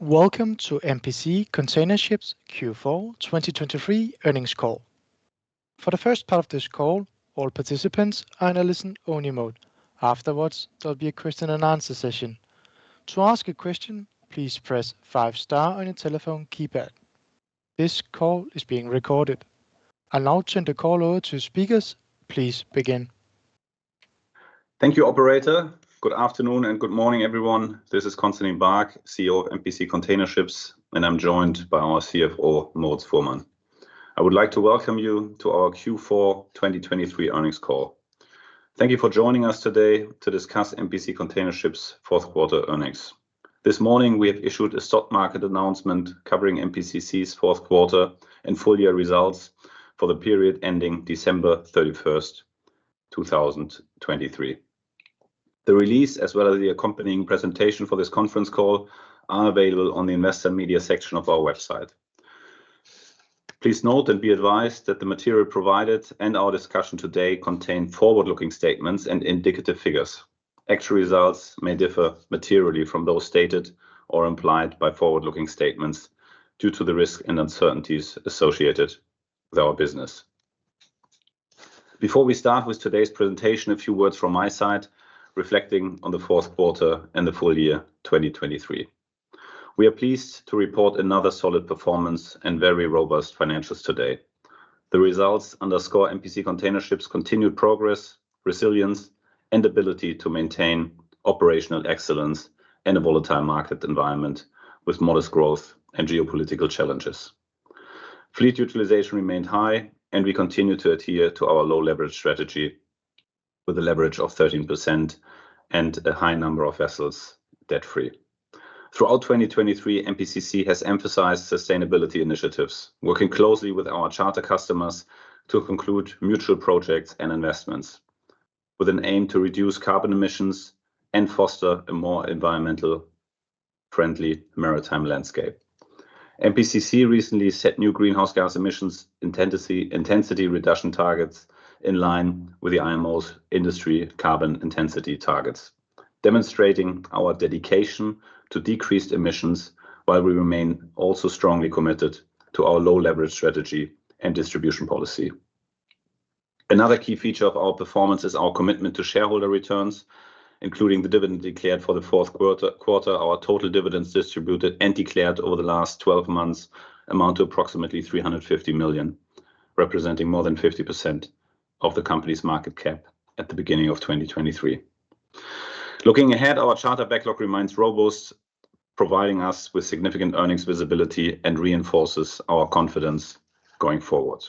Welcome to MPC Container Ships Q4 2023 earnings call. For the first part of this call, all participants are in a listen-only mode. Afterwards, there'll be a question-and-answer session. To ask a question, please press 5-star on your telephone keypad. This call is being recorded. I'll now turn the call over to speakers. Please begin. Thank you, operator. Good afternoon and good morning, everyone. This is Constantin Baack, CEO of MPC Container Ships, and I'm joined by our CFO, Moritz Fuhrmann. I would like to welcome you to our Q4 2023 earnings call. Thank you for joining us today to discuss MPC Container Ships' fourth-quarter earnings. This morning, we have issued a stock market announcement covering MPCC's fourth quarter and full-year results for the period ending December 31st, 2023. The release, as well as the accompanying presentation for this conference call, are available on the investor media section of our website. Please note and be advised that the material provided and our discussion today contain forward-looking statements and indicative figures. Actual results may differ materially from those stated or implied by forward-looking statements due to the risks and uncertainties associated with our business. Before we start with today's presentation, a few words from my side reflecting on the fourth quarter and the full year 2023. We are pleased to report another solid performance and very robust financials today. The results underscore MPC Container Ships' continued progress, resilience, and ability to maintain operational excellence in a volatile market environment with modest growth and geopolitical challenges. Fleet utilization remained high, and we continue to adhere to our low-leverage strategy with a leverage of 13% and a high number of vessels debt-free. Throughout 2023, MPCC has emphasized sustainability initiatives, working closely with our charter customers to conclude mutual projects and investments with an aim to reduce carbon emissions and foster a more environmentally friendly maritime landscape. MPCC recently set new greenhouse gas emissions intensity reduction targets in line with the IMO's industry carbon intensity targets, demonstrating our dedication to decreased emissions while we remain also strongly committed to our low-leverage strategy and distribution policy. Another key feature of our performance is our commitment to shareholder returns, including the dividend declared for the fourth quarter. Our total dividends distributed and declared over the last 12 months amount to approximately $350 million, representing more than 50% of the company's market cap at the beginning of 2023. Looking ahead, our charter backlog remains robust, providing us with significant earnings visibility and reinforces our confidence going forward.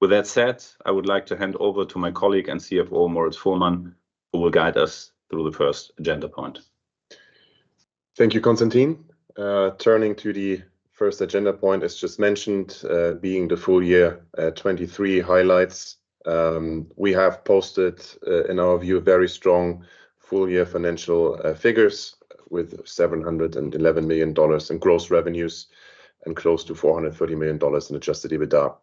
With that said, I would like to hand over to my colleague and CFO, Moritz Fuhrmann, who will guide us through the first agenda point. Thank you, Constantin. Turning to the first agenda point, as just mentioned, being the full-year 2023 highlights. We have posted, in our view, very strong full-year financial figures with $711 million in gross revenues and close to $430 million in adjusted EBITDA.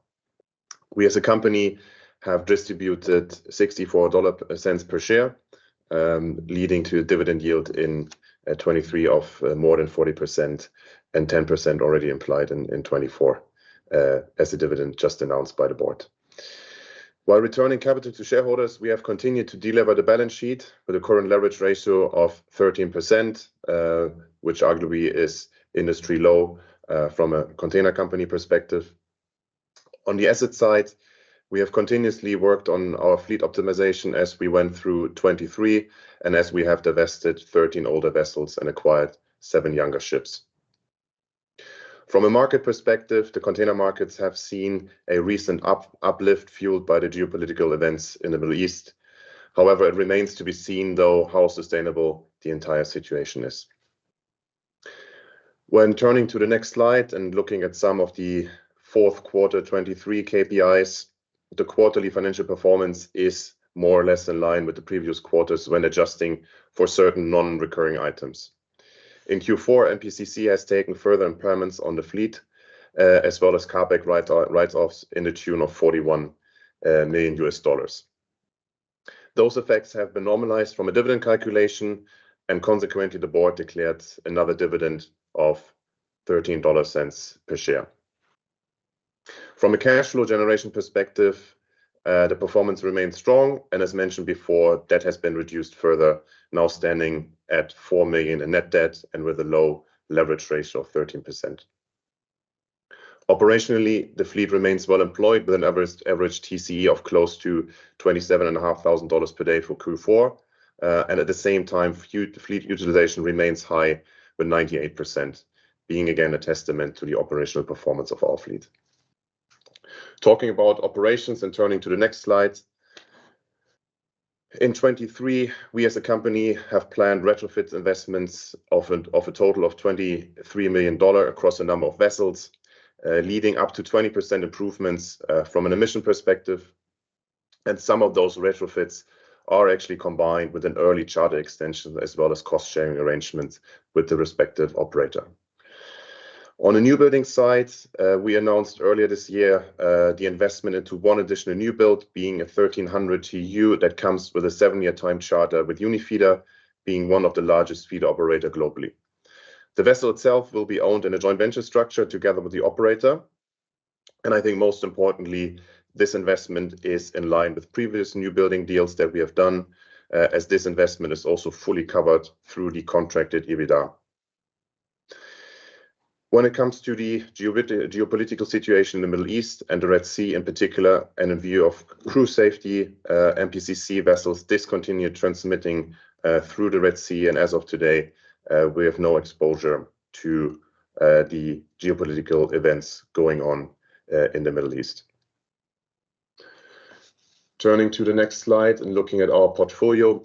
We, as a company, have distributed $0.64 per share, leading to a dividend yield in 2023 of more than 40% and 10% already implied in 2024 as a dividend just announced by the board. While returning capital to shareholders, we have continued to deliver the balance sheet with a current leverage ratio of 13%, which arguably is industry low from a container company perspective. On the asset side, we have continuously worked on our fleet optimization as we went through 2023 and as we have divested 13 older vessels and acquired seven younger ships. From a market perspective, the container markets have seen a recent uplift fueled by the geopolitical events in the Middle East. However, it remains to be seen, though, how sustainable the entire situation is. When turning to the next slide and looking at some of the fourth quarter 2023 KPIs, the quarterly financial performance is more or less in line with the previous quarters when adjusting for certain non-recurring items. In Q4, MPCC has taken further impairments on the fleet, as well as carbon credit write-offs to the tune of $41 million. Those effects have been normalized from a dividend calculation, and consequently, the board declared another dividend of $13 per share. From a cash flow generation perspective, the performance remains strong, and as mentioned before, debt has been reduced further, now standing at $4 million in net debt and with a low leverage ratio of 13%. Operationally, the fleet remains well employed with an average TCE of close to $27,500 per day for Q4, and at the same time, fleet utilization remains high with 98%, being again a testament to the operational performance of our fleet. Talking about operations and turning to the next slide, in 2023, we, as a company, have planned retrofit investments of a total of $23 million across a number of vessels, leading up to 20% improvements from an emission perspective. Some of those retrofits are actually combined with an early charter extension as well as cost-sharing arrangements with the respective operator. On the newbuilding side, we announced earlier this year the investment into one additional newbuild, being a 1,300 TEU that comes with a seven-year time charter with Unifeeder being one of the largest feeder operators globally. The vessel itself will be owned in a joint venture structure together with the operator. I think, most importantly, this investment is in line with previous newbuilding deals that we have done, as this investment is also fully covered through the contracted EBITDA. When it comes to the geopolitical situation in the Middle East and the Red Sea in particular, and in view of crew safety, MPCC vessels discontinued transiting through the Red Sea, and as of today, we have no exposure to the geopolitical events going on in the Middle East. Turning to the next slide and looking at our portfolio,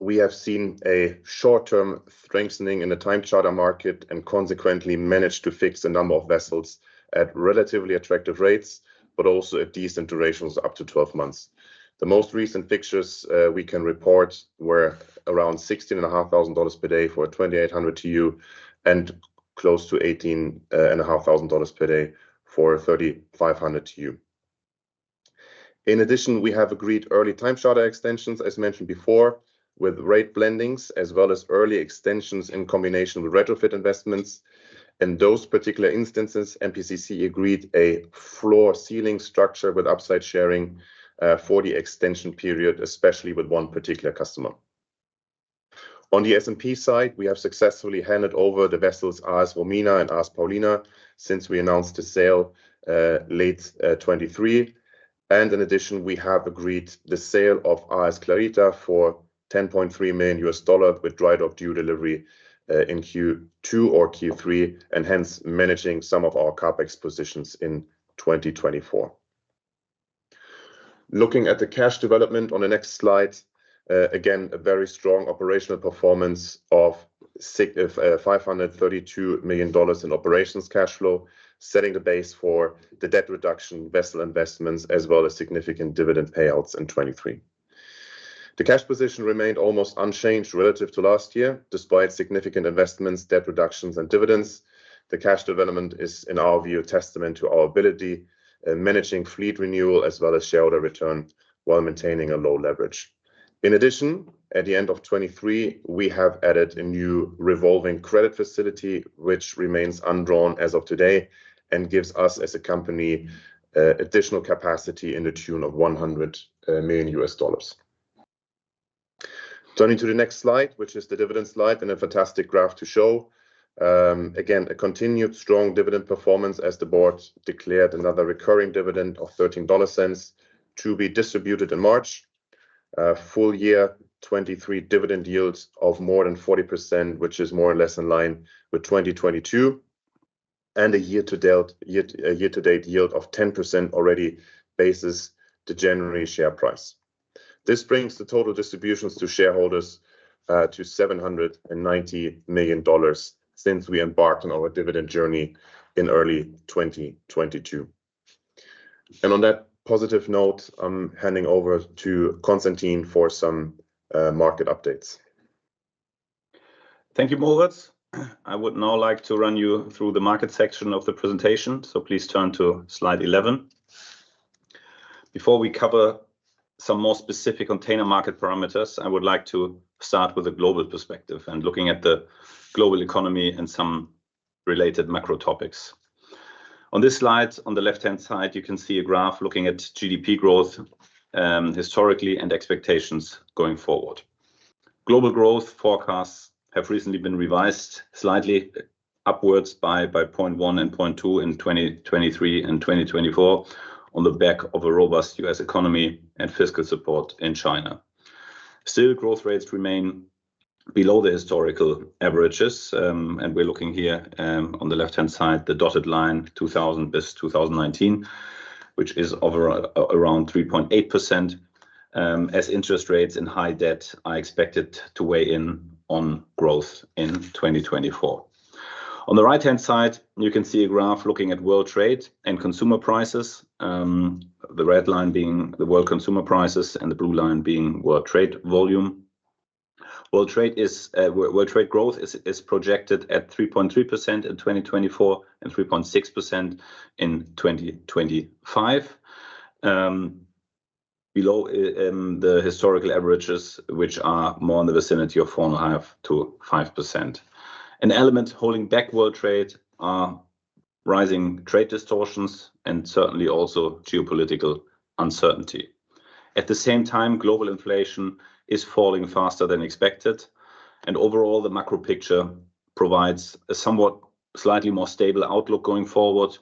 we have seen a short-term strengthening in the time charter market and consequently managed to fix a number of vessels at relatively attractive rates, but also at decent durations up to 12 months. The most recent fixtures we can report were around $16,500 per day for a 2,800 TEU and close to $18,500 per day for a 3,500 TEU. In addition, we have agreed early time charter extensions, as mentioned before, with rate blendings as well as early extensions in combination with retrofit investments. In those particular instances, MPCC agreed a floor-ceiling structure with upside sharing for the extension period, especially with one particular customer. On the S&P side, we have successfully handed over the vessels AS Romina and AS Paulina since we announced the sale late 2023. In addition, we have agreed the sale of AS Clarita for $10.3 million with dry dock due delivery in Q2 or Q3, and hence managing some of our CapEx positions in 2024. Looking at the cash development on the next slide, again, a very strong operational performance of $532 million in operations cash flow, setting the base for the debt reduction vessel investments as well as significant dividend payouts in 2023. The cash position remained almost unchanged relative to last year, despite significant investments, debt reductions, and dividends. The cash development is, in our view, a testament to our ability managing fleet renewal as well as shareholder return while maintaining a low leverage. In addition, at the end of 2023, we have added a new revolving credit facility, which remains undrawn as of today and gives us, as a company, additional capacity to the tune of $100 million. Turning to the next slide, which is the dividend slide and a fantastic graph to show. Again, a continued strong dividend performance as the board declared another recurring dividend of $13 to be distributed in March. Full year 2023 dividend yields of more than 40%, which is more or less in line with 2022, and a year-to-date yield of 10% already bases the January share price. This brings the total distributions to shareholders to $790 million since we embarked on our dividend journey in early 2022. On that positive note, I'm handing over to Constantin for some market updates. Thank you, Moritz. I would now like to run you through the market section of the presentation, so please turn to slide 11. Before we cover some more specific container market parameters, I would like to start with a global perspective and looking at the global economy and some related macro topics. On this slide, on the left-hand side, you can see a graph looking at GDP growth historically and expectations going forward. Global growth forecasts have recently been revised slightly upwards by 0.1 and 0.2 in 2023 and 2024 on the back of a robust US economy and fiscal support in China. Still, growth rates remain below the historical averages, and we're looking here on the left-hand side, the dotted line, 2000 to 2019, which is around 3.8% as interest rates and high debt are expected to weigh in on growth in 2024. On the right-hand side, you can see a graph looking at world trade and consumer prices, the red line being the world consumer prices and the blue line being world trade volume. World trade growth is projected at 3.3% in 2024 and 3.6% in 2025, below the historical averages, which are more in the vicinity of 4.5%-5%. An element holding back world trade are rising trade distortions and certainly also geopolitical uncertainty. At the same time, global inflation is falling faster than expected, and overall, the macro picture provides a somewhat slightly more stable outlook going forward,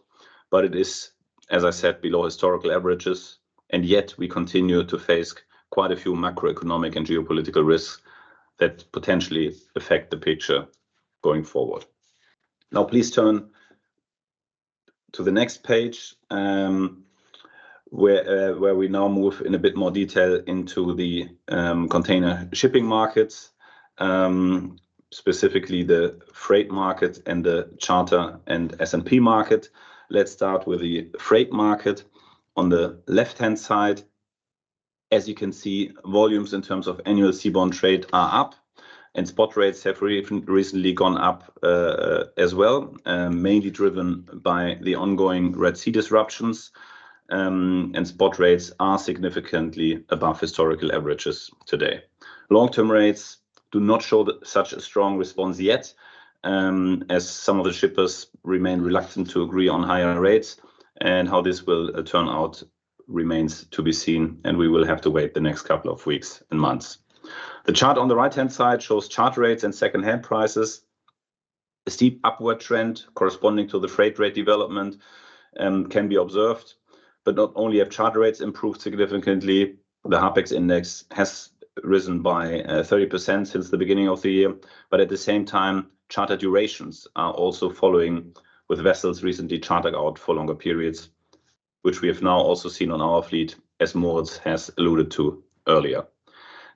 but it is, as I said, below historical averages. And yet, we continue to face quite a few macroeconomic and geopolitical risks that potentially affect the picture going forward. Now, please turn to the next page where we now move in a bit more detail into the container shipping markets, specifically the freight market and the charter and S&P market. Let's start with the freight market. On the left-hand side, as you can see, volumes in terms of annual seaborne trade are up, and spot rates have recently gone up as well, mainly driven by the ongoing Red Sea disruptions. And spot rates are significantly above historical averages today. Long-term rates do not show such a strong response yet, as some of the shippers remain reluctant to agree on higher rates, and how this will turn out remains to be seen, and we will have to wait the next couple of weeks and months. The chart on the right-hand side shows charter rates and secondhand prices. A steep upward trend corresponding to the freight rate development can be observed, but not only have charter rates improved significantly, the CapEx index has risen by 30% since the beginning of the year, but at the same time, charter durations are also following with vessels recently chartered out for longer periods, which we have now also seen on our fleet, as Moritz has alluded to earlier.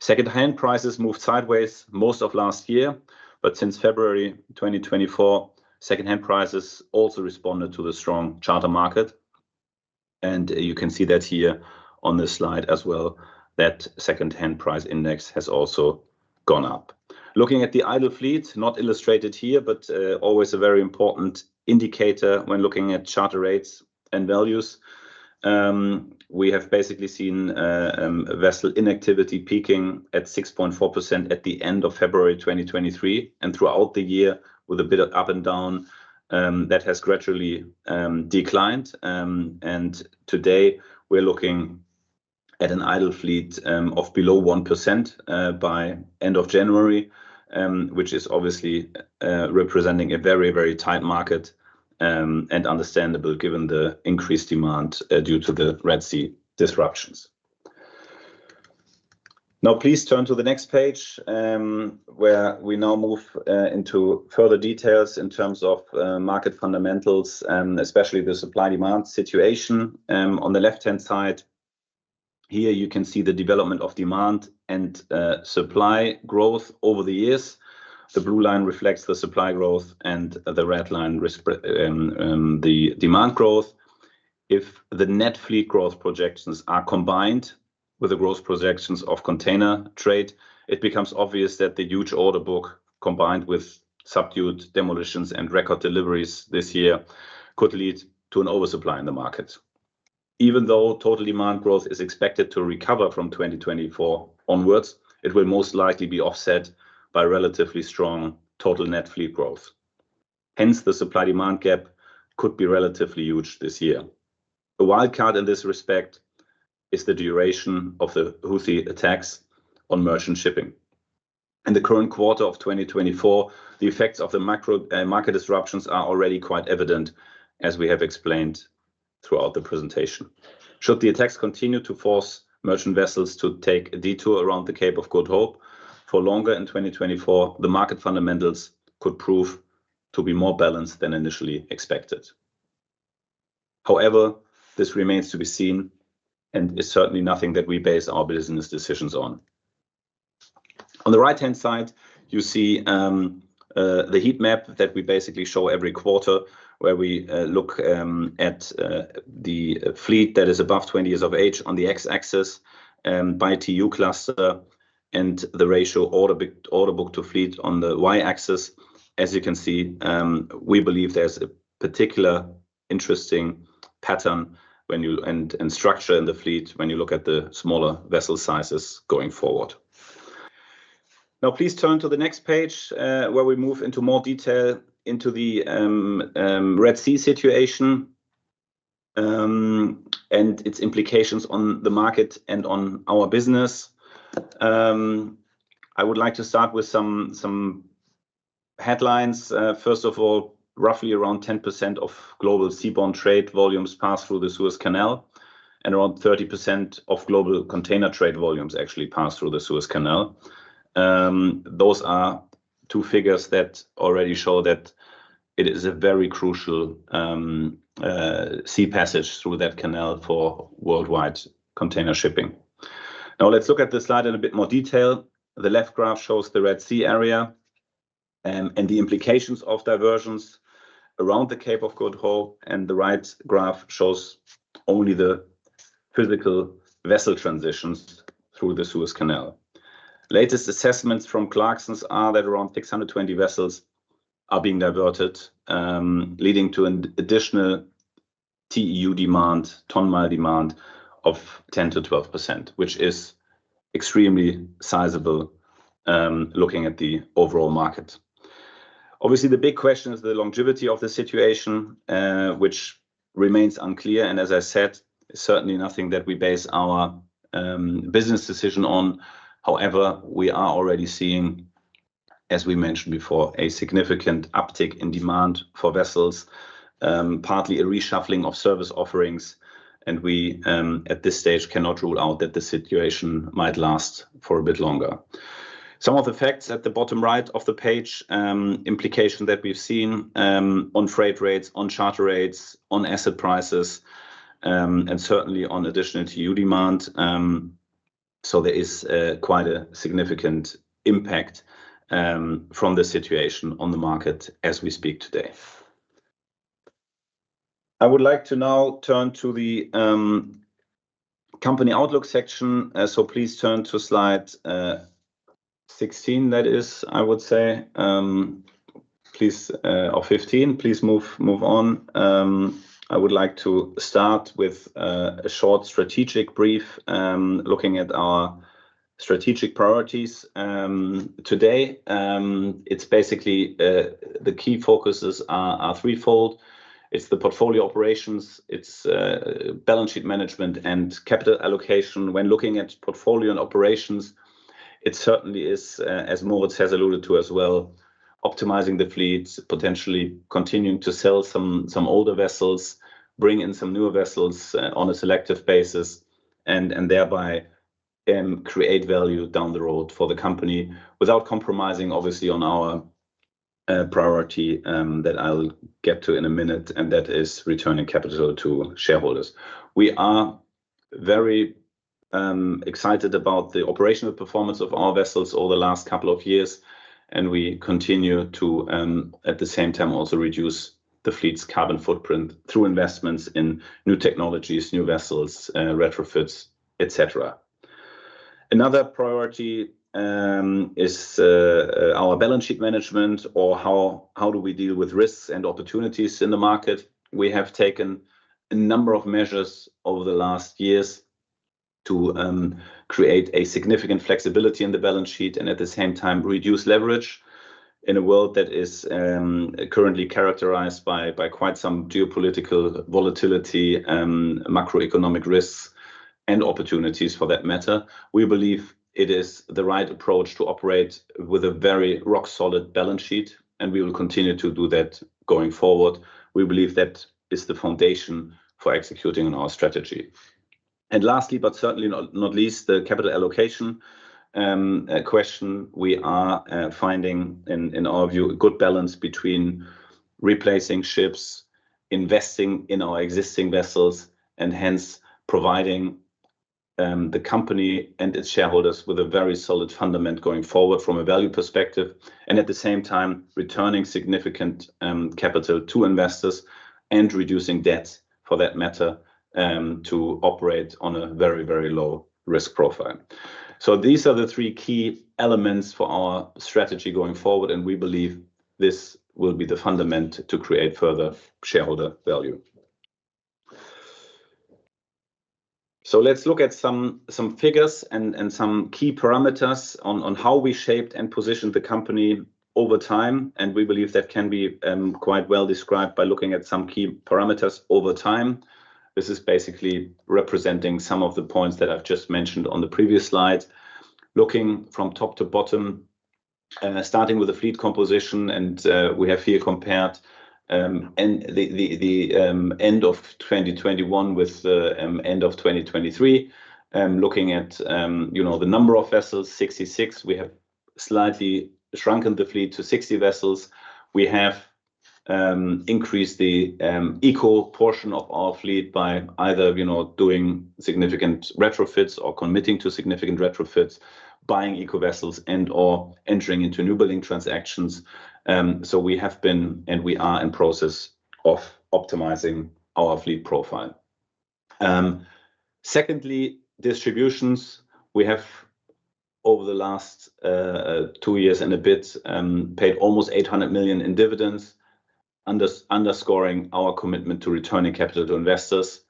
Secondhand prices moved sideways most of last year, but since February 2024, secondhand prices also responded to the strong charter market. You can see that here on this slide as well, that secondhand price index has also gone up. Looking at the idle fleet, not illustrated here, but always a very important indicator when looking at charter rates and values, we have basically seen vessel inactivity peaking at 6.4% at the end of February 2023 and throughout the year with a bit of up and down that has gradually declined. Today, we're looking at an idle fleet of below 1% by end of January, which is obviously representing a very, very tight market and understandable given the increased demand due to the Red Sea disruptions. Now, please turn to the next page where we now move into further details in terms of market fundamentals, especially the supply-demand situation. On the left-hand side, here, you can see the development of demand and supply growth over the years. The blue line reflects the supply growth, and the red line reflects the demand growth. If the net fleet growth projections are combined with the growth projections of container trade, it becomes obvious that the huge order book combined with subdued demolitions and record deliveries this year could lead to an oversupply in the markets. Even though total demand growth is expected to recover from 2024 onward, it will most likely be offset by relatively strong total net fleet growth. Hence, the supply-demand gap could be relatively huge this year. A wild card in this respect is the duration of the Houthi attacks on merchant shipping. In the current quarter of 2024, the effects of the macro market disruptions are already quite evident, as we have explained throughout the presentation. Should the attacks continue to force merchant vessels to take a detour around the Cape of Good Hope for longer in 2024, the market fundamentals could prove to be more balanced than initially expected. However, this remains to be seen and is certainly nothing that we base our business decisions on. On the right-hand side, you see the heat map that we basically show every quarter where we look at the fleet that is above 20 years of age on the X-axis by TEU cluster and the ratio order book to fleet on the Y-axis. As you can see, we believe there's a particular interesting pattern and structure in the fleet when you look at the smaller vessel sizes going forward. Now, please turn to the next page where we move into more detail into the Red Sea situation and its implications on the market and on our business. I would like to start with some headlines. First of all, roughly around 10% of global seaborne trade volumes pass through the Suez Canal, and around 30% of global container trade volumes actually pass through the Suez Canal. Those are two figures that already show that it is a very crucial sea passage through that canal for worldwide container shipping. Now, let's look at this slide in a bit more detail. The left graph shows the Red Sea area and the implications of diversions around the Cape of Good Hope, and the right graph shows only the physical vessel transitions through the Suez Canal. Latest assessments from Clarksons are that around 620 vessels are being diverted, leading to an additional TEU demand, ton-mile demand of 10%-12%, which is extremely sizable looking at the overall market. Obviously, the big question is the longevity of the situation, which remains unclear, and as I said, certainly nothing that we base our business decision on. However, we are already seeing, as we mentioned before, a significant uptick in demand for vessels, partly a reshuffling of service offerings, and we at this stage cannot rule out that the situation might last for a bit longer. Some of the facts at the bottom right of the page: implication that we've seen on freight rates, on charter rates, on asset prices, and certainly on additional TEU demand. So there is quite a significant impact from the situation on the market as we speak today. I would like to now turn to the company outlook section, so please turn to slide 16, that is, I would say, or 15. Please move on. I would like to start with a short strategic brief looking at our strategic priorities today. It's basically the key focuses are threefold. It's the portfolio operations. It's balance sheet management and capital allocation. When looking at portfolio and operations, it certainly is, as Moritz has alluded to as well, optimizing the fleets, potentially continuing to sell some older vessels, bring in some newer vessels on a selective basis, and thereby create value down the road for the company without compromising, obviously, on our priority that I'll get to in a minute, and that is returning capital to shareholders. We are very excited about the operational performance of our vessels over the last couple of years, and we continue to, at the same time, also reduce the fleet's carbon footprint through investments in new technologies, new vessels, retrofits, etc. Another priority is our balance sheet management, or how do we deal with risks and opportunities in the market? We have taken a number of measures over the last years to create a significant flexibility in the balance sheet and, at the same time, reduce leverage in a world that is currently characterized by quite some geopolitical volatility, macroeconomic risks, and opportunities for that matter. We believe it is the right approach to operate with a very rock-solid balance sheet, and we will continue to do that going forward. We believe that is the foundation for executing on our strategy. Lastly, but certainly not least, the capital allocation question. We are finding, in our view, a good balance between replacing ships, investing in our existing vessels, and hence providing the company and its shareholders with a very solid foundation going forward from a value perspective, and at the same time, returning significant capital to investors and reducing debts for that matter to operate on a very, very low risk profile. So these are the three key elements for our strategy going forward, and we believe this will be the foundation to create further shareholder value. So let's look at some figures and some key parameters on how we shaped and positioned the company over time, and we believe that can be quite well described by looking at some key parameters over time. This is basically representing some of the points that I've just mentioned on the previous slide, looking from top to bottom, starting with the fleet composition, and we have here compared the end of 2021 with the end of 2023, looking at the number of vessels: 66. We have slightly shrunken the fleet to 60 vessels. We have increased the eco portion of our fleet by either doing significant retrofits or committing to significant retrofits, buying eco vessels, and/or entering into new building transactions. So we have been, and we are, in the process of optimizing our fleet profile. Secondly, distributions. We have, over the last two years and a bit, paid almost $800 million in dividends, underscoring our commitment to returning capital to investors.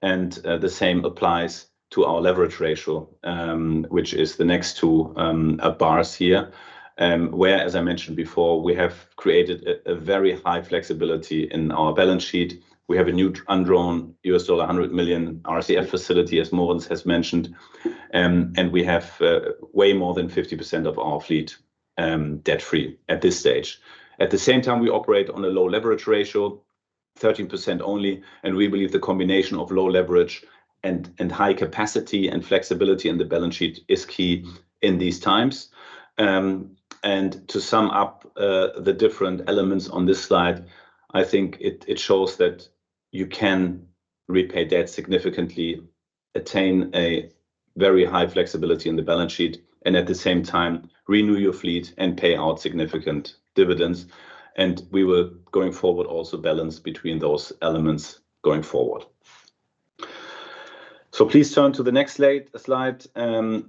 The same applies to our leverage ratio, which is the next two bars here, where, as I mentioned before, we have created a very high flexibility in our balance sheet. We have a new undrawn $100 million RCF facility, as Moritz has mentioned, and we have way more than 50% of our fleet debt-free at this stage. At the same time, we operate on a low leverage ratio, 13% only, and we believe the combination of low leverage and high capacity and flexibility in the balance sheet is key in these times. To sum up the different elements on this slide, I think it shows that you can repay debt significantly, attain a very high flexibility in the balance sheet, and at the same time, renew your fleet and pay out significant dividends. We will, going forward, also balance between those elements going forward. Please turn to the next slide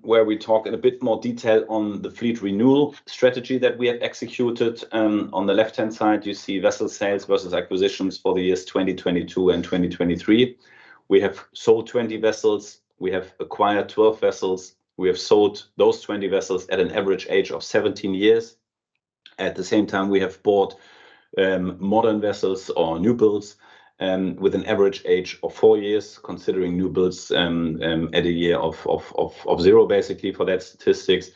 where we talk in a bit more detail on the fleet renewal strategy that we have executed. On the left-hand side, you see vessel sales versus acquisitions for the years 2022 and 2023. We have sold 20 vessels. We have acquired 12 vessels. We have sold those 20 vessels at an average age of 17 years. At the same time, we have bought modern vessels or new builds with an average age of 4 years, considering new builds at a year of 0, basically, for that statistics.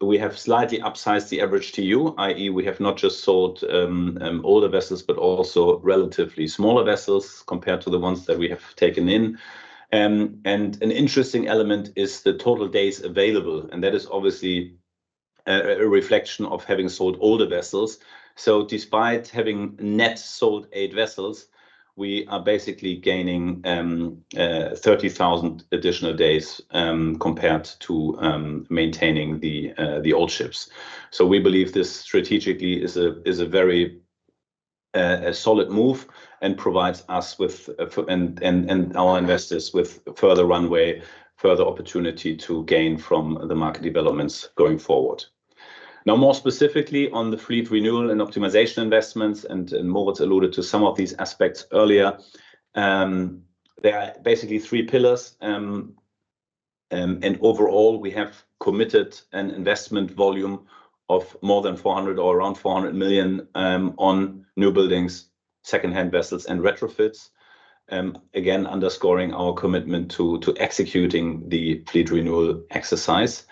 We have slightly upsized the average TEU, i.e., we have not just sold older vessels but also relatively smaller vessels compared to the ones that we have taken in. An interesting element is the total days available, and that is obviously a reflection of having sold older vessels. Despite having net sold 8 vessels, we are basically gaining 30,000 additional days compared to maintaining the old ships. We believe this strategically is a very solid move and provides us with and our investors with further runway, further opportunity to gain from the market developments going forward. Now, more specifically on the fleet renewal and optimization investments, and Moritz alluded to some of these aspects earlier, there are basically three pillars. Overall, we have committed an investment volume of more than $400 million or around $400 million on new buildings, secondhand vessels, and retrofits, again underscoring our commitment to executing the fleet renewal exercise.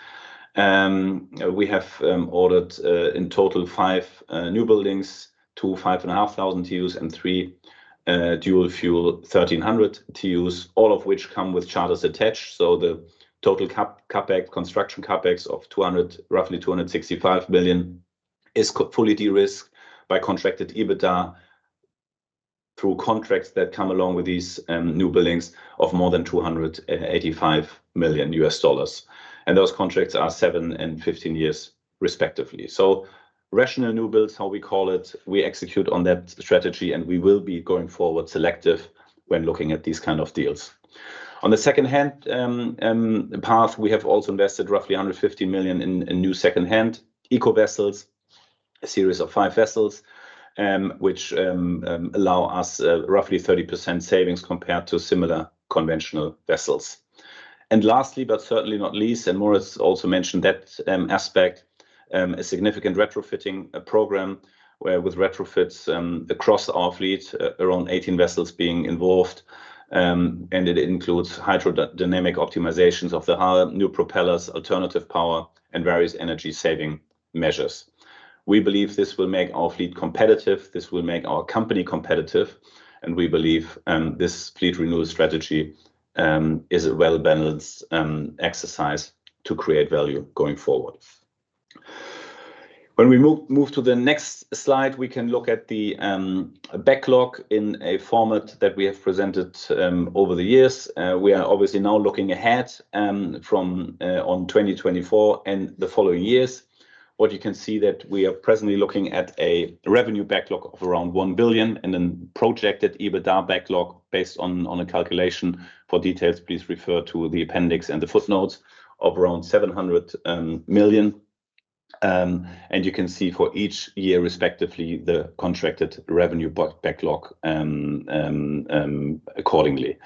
We have ordered in total 5 new buildings: two 5,500 TEUs and three dual-fuel 1,300 TEUs, all of which come with charters attached. So the total construction CapEx of roughly $265 million is fully de-risked by contracted EBITDA through contracts that come along with these new buildings of more than $285 million. And those contracts are seven and 15 years, respectively. So rational new builds, how we call it, we execute on that strategy, and we will be going forward selective when looking at these kinds of deals. On the secondhand path, we have also invested roughly $115 million in new secondhand Eco vessels, a series of five vessels, which allow us roughly 30% savings compared to similar conventional vessels. And lastly, but certainly not least, and Moritz also mentioned that aspect, a significant retrofitting program with retrofits across our fleet, around 18 vessels being involved, and it includes hydrodynamic optimizations of the hull, new propellers, alternative power, and various energy-saving measures. We believe this will make our fleet competitive. This will make our company competitive, and we believe this fleet renewal strategy is a well-balanced exercise to create value going forward. When we move to the next slide, we can look at the backlog in a format that we have presented over the years. We are obviously now looking ahead from 2024 and the following years. What you can see is that we are presently looking at a revenue backlog of around $1 billion and a projected EBITDA backlog based on a calculation. For details, please refer to the appendix and the footnotes of around $700 million. You can see for each year, respectively, the contracted revenue backlog accordingly.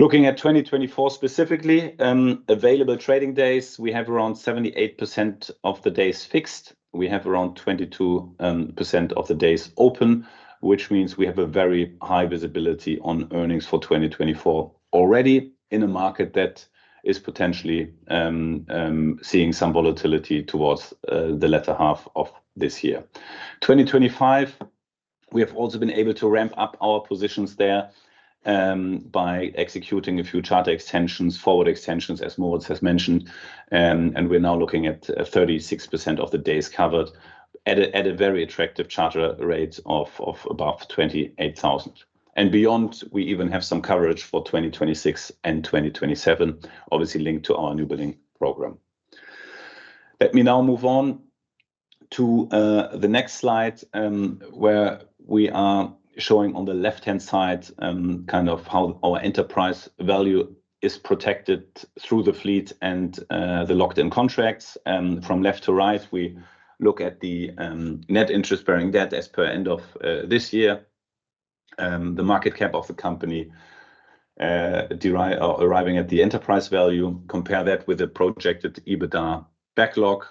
Looking at 2024 specifically, available trading days, we have around 78% of the days fixed. We have around 22% of the days open, which means we have a very high visibility on earnings for 2024 already in a market that is potentially seeing some volatility towards the latter half of this year. 2025, we have also been able to ramp up our positions there by executing a few charter extensions, forward extensions, as Moritz has mentioned, and we're now looking at 36% of the days covered at a very attractive charter rate of above $28,000. And beyond, we even have some coverage for 2026 and 2027, obviously linked to our new building program. Let me now move on to the next slide where we are showing on the left-hand side kind of how our enterprise value is protected through the fleet and the locked-in contracts. From left to right, we look at the net interest bearing debt as per end of this year, the market cap of the company arriving at the enterprise value, compare that with the projected EBITDA backlog,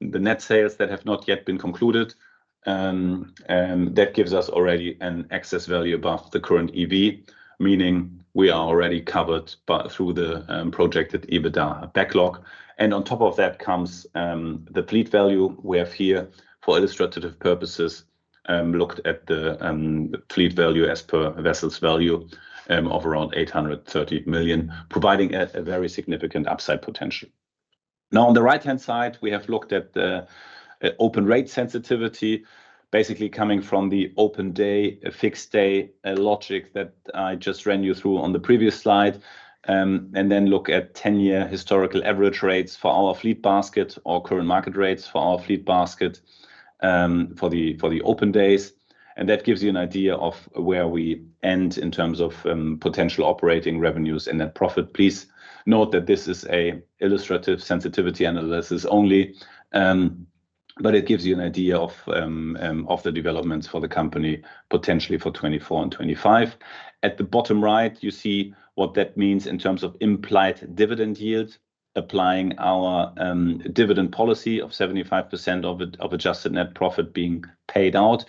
the net sales that have not yet been concluded. That gives us already an excess value above the current EV, meaning we are already covered through the projected EBITDA backlog. On top of that comes the fleet value. We have here, for illustrative purposes, looked at the fleet value as per vessels value of around $830 million, providing a very significant upside potential. Now, on the right-hand side, we have looked at the open rate sensitivity, basically coming from the open day, fixed day logic that I just ran you through on the previous slide, and then look at 10-year historical average rates for our fleet basket or current market rates for our fleet basket for the open days. And that gives you an idea of where we end in terms of potential operating revenues and net profit. Please note that this is an illustrative sensitivity analysis only, but it gives you an idea of the developments for the company, potentially for 2024 and 2025. At the bottom right, you see what that means in terms of implied dividend yield, applying our dividend policy of 75% of adjusted net profit being paid out.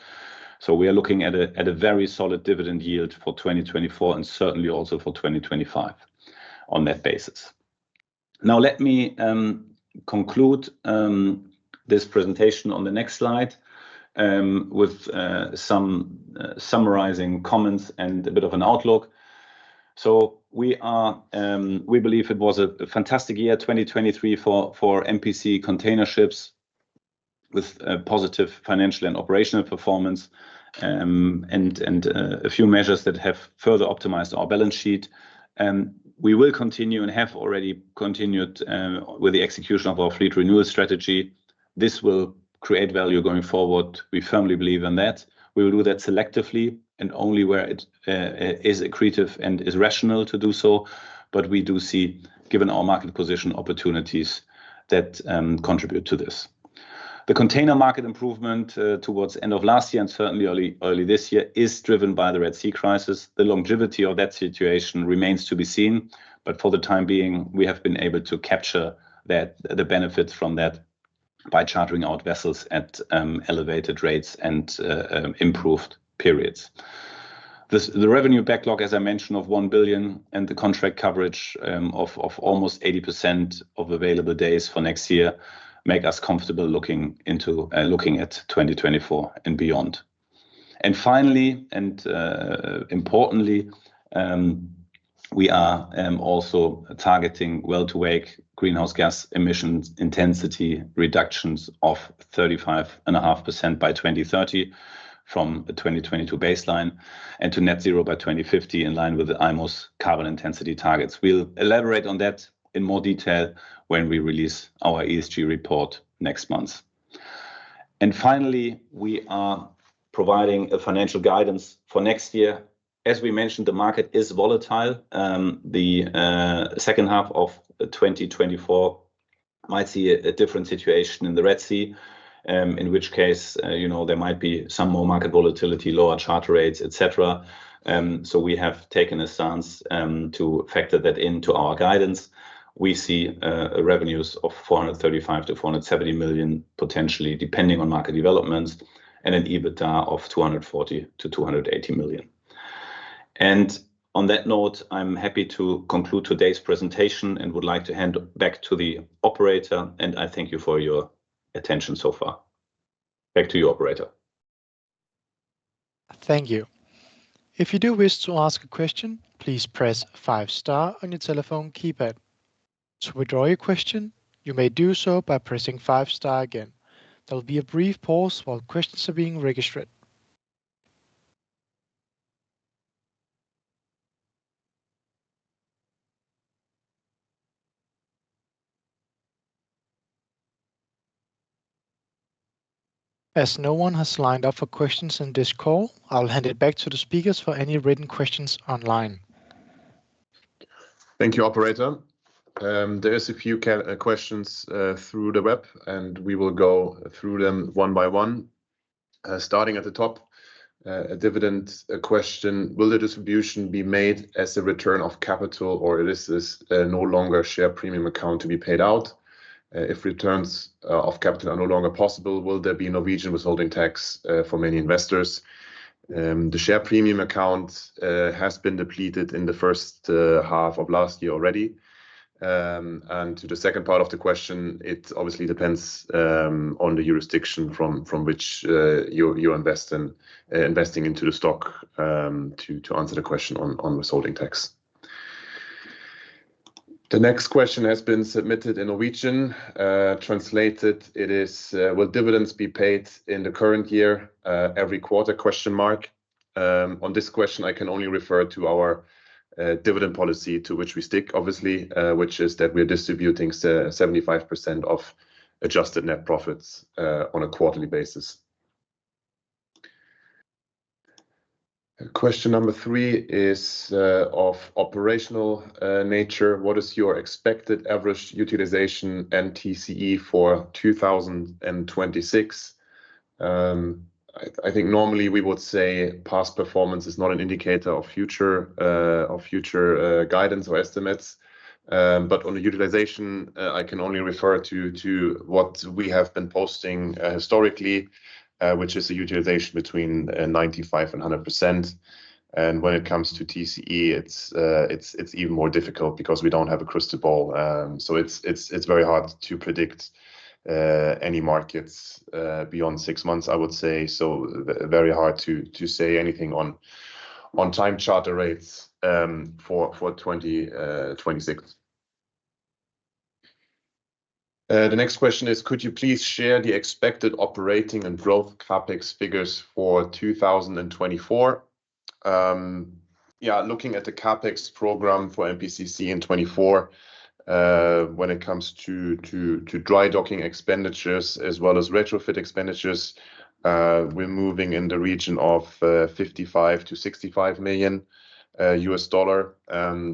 So we are looking at a very solid dividend yield for 2024 and certainly also for 2025 on that basis. Now, let me conclude this presentation on the next slide with some summarizing comments and a bit of an outlook. We believe it was a fantastic year, 2023, for MPC Container Ships with positive financial and operational performance and a few measures that have further optimized our balance sheet. We will continue and have already continued with the execution of our fleet renewal strategy. This will create value going forward. We firmly believe in that. We will do that selectively and only where it is accretive and is rational to do so. But we do see, given our market position, opportunities that contribute to this. The container market improvement towards the end of last year and certainly early this year is driven by the Red Sea crisis. The longevity of that situation remains to be seen, but for the time being, we have been able to capture the benefits from that by chartering out vessels at elevated rates and improved periods. The revenue backlog, as I mentioned, of $1 billion and the contract coverage of almost 80% of available days for next year make us comfortable looking at 2024 and beyond. Finally, and importantly, we are also targeting well-to-wake greenhouse gas emissions intensity reductions of 35.5% by 2030 from a 2022 baseline and to net zero by 2050 in line with the IMO's carbon intensity targets. We'll elaborate on that in more detail when we release our ESG report next month. Finally, we are providing financial guidance for next year. As we mentioned, the market is volatile. The second half of 2024 might see a different situation in the Red Sea, in which case there might be some more market volatility, lower charter rates, etc. We have taken a stance to factor that into our guidance. We see revenues of $435 million-$470 million potentially, depending on market developments, and an EBITDA of $240 million-$280 million. On that note, I'm happy to conclude today's presentation and would like to hand back to the operator, and I thank you for your attention so far. Back to you, operator. Thank you. If you do wish to ask a question, please press five-star on your telephone keypad. To withdraw your question, you may do so by pressing five-star again. There will be a brief pause while questions are being registered. As no one has lined up for questions in this call, I'll hand it back to the speakers for any written questions online. Thank you, operator. There are a few questions through the web, and we will go through them one by one. Starting at the top, a dividend question: Will the distribution be made as a return of capital, or is this no longer a share premium account to be paid out? If returns of capital are no longer possible, will there be Norwegian withholding tax for many investors? The share premium account has been depleted in the first half of last year already. And to the second part of the question, it obviously depends on the jurisdiction from which you're investing into the stock to answer the question on withholding tax. The next question has been submitted in Norwegian. Translated, it is: Will dividends be paid in the current year every quarter? On this question, I can only refer to our dividend policy to which we stick, obviously, which is that we are distributing 75% of adjusted net profits on a quarterly basis. Question number three is of operational nature: What is your expected average utilization and TCE for 2026? I think normally we would say past performance is not an indicator of future guidance or estimates, but on the utilization, I can only refer to what we have been posting historically, which is a utilization between 95%-100%. When it comes to TCE, it's even more difficult because we don't have a crystal ball. It's very hard to predict any markets beyond six months, I would say. Very hard to say anything on time charter rates for 2026. The next question is: Could you please share the expected operating and growth CapEx figures for 2024? Yeah, looking at the CapEx program for MPCC in 2024, when it comes to dry docking expenditures as well as retrofit expenditures, we're moving in the region of $55 million-$65 million.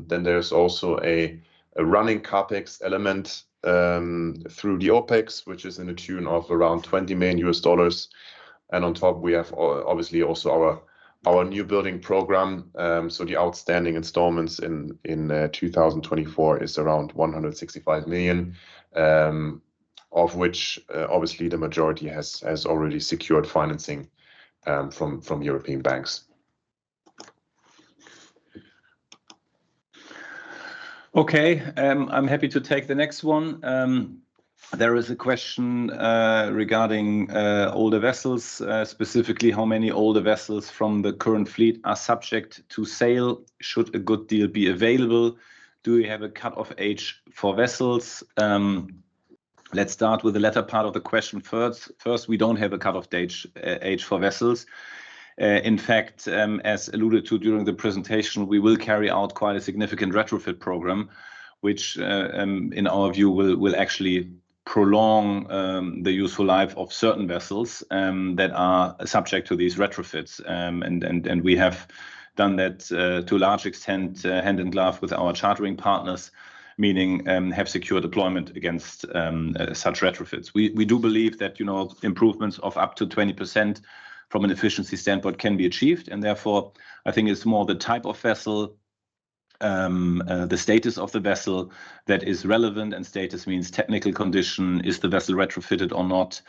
Then there's also a running CapEx element through the OPEX, which is in the tune of around $20 million. And on top, we have obviously also our new building program. So the outstanding installments in 2024 are around $165 million, of which obviously the majority has already secured financing from European banks. Okay, I'm happy to take the next one. There is a question regarding older vessels, specifically how many older vessels from the current fleet are subject to sale. Should a good deal be available? Do we have a cut-off age for vessels? Let's start with the latter part of the question first. First, we don't have a cut-off age for vessels. In fact, as alluded to during the presentation, we will carry out quite a significant retrofit program, which in our view will actually prolong the useful life of certain vessels that are subject to these retrofits. And we have done that to a large extent hand in glove with our chartering partners, meaning have secured deployment against such retrofits. We do believe that improvements of up to 20% from an efficiency standpoint can be achieved. And therefore, I think it's more the type of vessel, the status of the vessel that is relevant, and status means technical condition. Is the vessel retrofitted or not?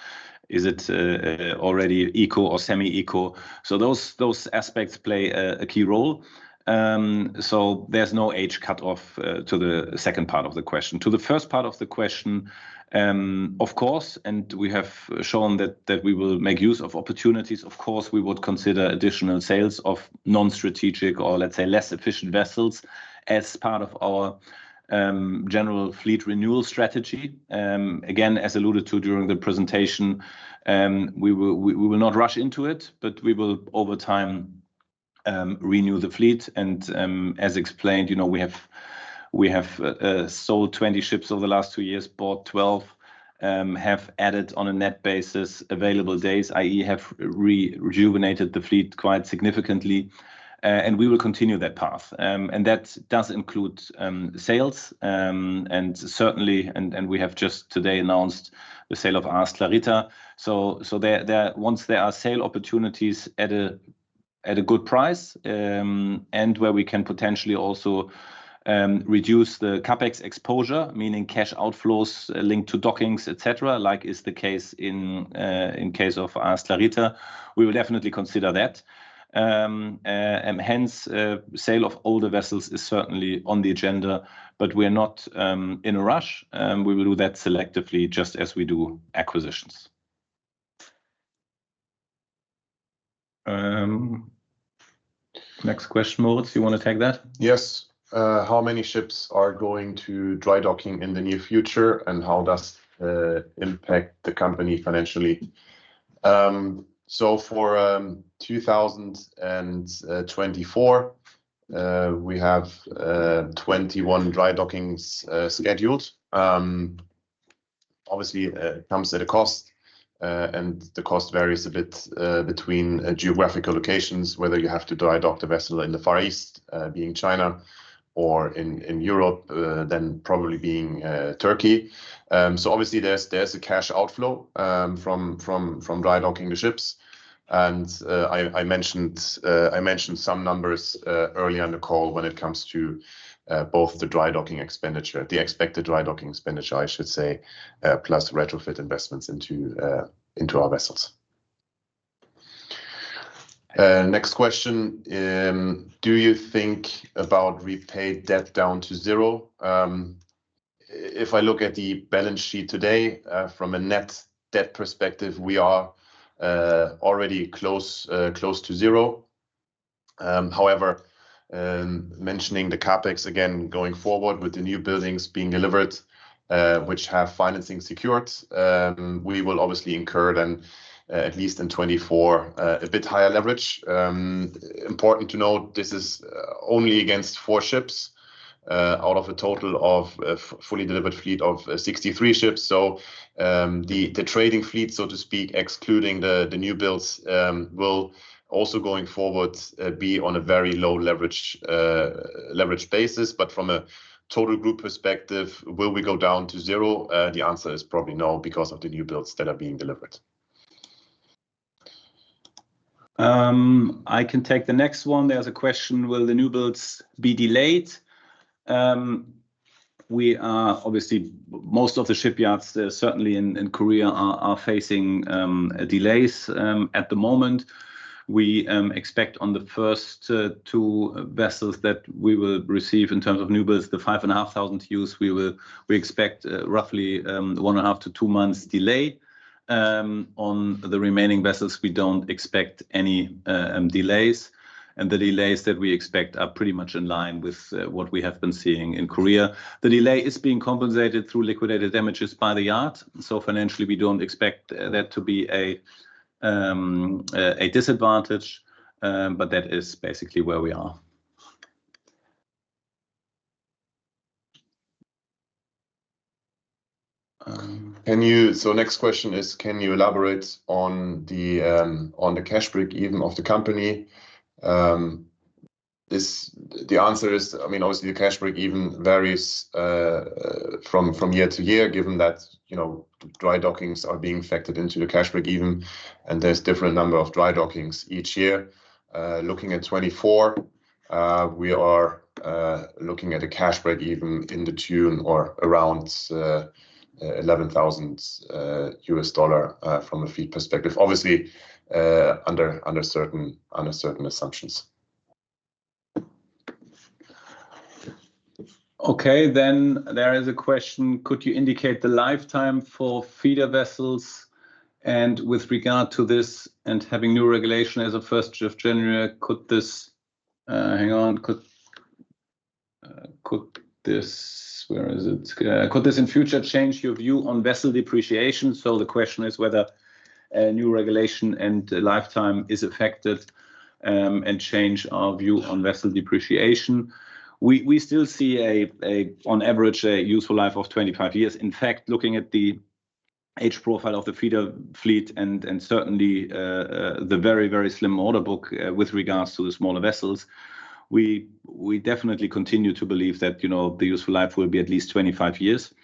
Is it already eco or semi-eco? So those aspects play a key role. So there's no age cut-off to the second part of the question. To the first part of the question, of course, and we have shown that we will make use of opportunities, of course, we would consider additional sales of non-strategic or, let's say, less efficient vessels as part of our general fleet renewal strategy. Again, as alluded to during the presentation, we will not rush into it, but we will over time renew the fleet. And as explained, we have sold 20 ships over the last 2 years, bought 12, have added on a net basis available days, i.e., have rejuvenated the fleet quite significantly. We will continue that path. That does include sales. And certainly, we have just today announced the sale of AS Clarita. So once there are sale opportunities at a good price and where we can potentially also reduce the CapEx exposure, meaning cash outflows linked to dockings, etc., like is the case in case of AS Clarita, we will definitely consider that. Hence, sale of older vessels is certainly on the agenda, but we are not in a rush. We will do that selectively just as we do acquisitions. Next question, Moritz, you want to take that? Yes. How many ships are going to dry docking in the near future, and how does that impact the company financially? So for 2024, we have 21 dry dockings scheduled. Obviously, it comes at a cost, and the cost varies a bit between geographical locations, whether you have to dry dock the vessel in the Far East, being China, or in Europe, then probably being Turkey. So obviously, there's a cash outflow from dry docking the ships. And I mentioned some numbers earlier on the call when it comes to both the expected dry docking expenditure, I should say, plus retrofit investments into our vessels. Next question: Do you think about repaid debt down to zero? If I look at the balance sheet today, from a net debt perspective, we are already close to zero. However, mentioning the CapEx again going forward with the new buildings being delivered, which have financing secured, we will obviously incur, at least in 2024, a bit higher leverage. Important to note, this is only against 4 ships out of a total of fully delivered fleet of 63 ships. So the trading fleet, so to speak, excluding the new builds, will also going forward be on a very low leverage basis. But from a total group perspective, will we go down to zero? The answer is probably no because of the new builds that are being delivered. I can take the next one. There's a question: Will the new builds be delayed? Obviously, most of the shipyards, certainly in Korea, are facing delays at the moment. We expect on the first two vessels that we will receive in terms of new builds, the 5,500 TEU, we expect roughly 1.5-2 months delay. On the remaining vessels, we don't expect any delays. And the delays that we expect are pretty much in line with what we have been seeing in Korea. The delay is being compensated through liquidated damages by the yard. So financially, we don't expect that to be a disadvantage, but that is basically where we are. So next question is: Can you elaborate on the cash break even of the company? The answer is, I mean, obviously, the cash break even varies from year to year, given that dry dockings are being factored into the cash break even, and there's a different number of dry dockings each year. Looking at 2024, we are looking at a cash break even in the tune of around $11,000 from a feeder perspective, obviously under certain assumptions. Okay, then there is a question: Could you indicate the lifetime for feeder vessels? And with regard to this and having new regulation as of 1st of January, could this in future change your view on vessel depreciation? So the question is whether new regulation and lifetime is affected and change our view on vessel depreciation. We still see, on average, a useful life of 25 years. In fact, looking at the age profile of the feeder fleet and certainly the very, very slim order book with regards to the smaller vessels, we definitely continue to believe that the useful life will be at least 25 years.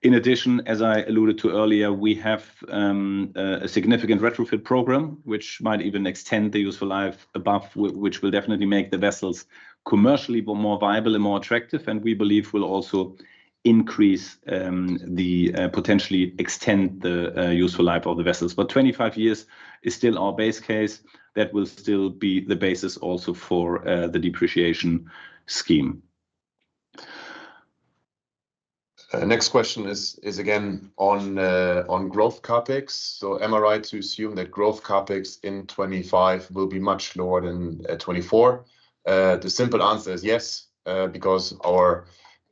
In addition, as I alluded to earlier, we have a significant retrofit program, which might even extend the useful life above, which will definitely make the vessels commercially more viable and more attractive. We believe will also increase and potentially extend the useful life of the vessels. 25 years is still our base case. That will still be the basis also for the depreciation scheme. Next question is again on growth CapEx. So am I right to assume that growth CapEx in 2025 will be much lower than 2024? The simple answer is yes, because four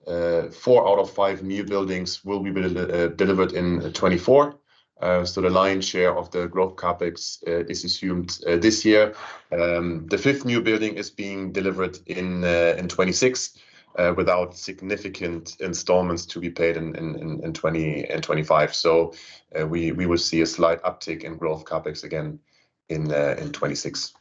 out of five new buildings will be delivered in 2024. So the lion's share of the growth CapEx is assumed this year. The fifth new building is being delivered in 2026 without significant installments to be paid in 2025. So we will see a slight uptick in growth CapEx again in 2026.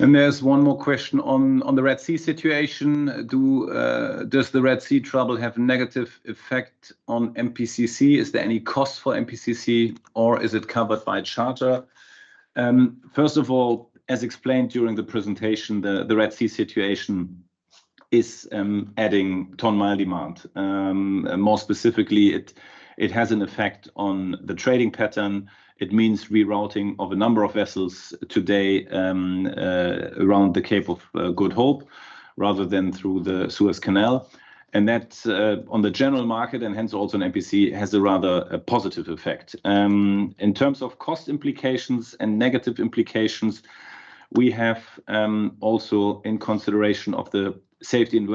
And there's one more question on the Red Sea situation. Does the Red Sea trouble have a negative effect on MPCC? Is there any cost for MPCC, or is it covered by charter? First of all, as explained during the presentation, the Red Sea situation is adding ton-mile demand. More specifically, it has an effect on the trading pattern. It means rerouting of a number of vessels today around the Cape of Good Hope rather than through the Suez Canal. And that on the general market and hence also in MPC has a rather positive effect. In terms of cost implications and negative implications, we have also in consideration of the safety and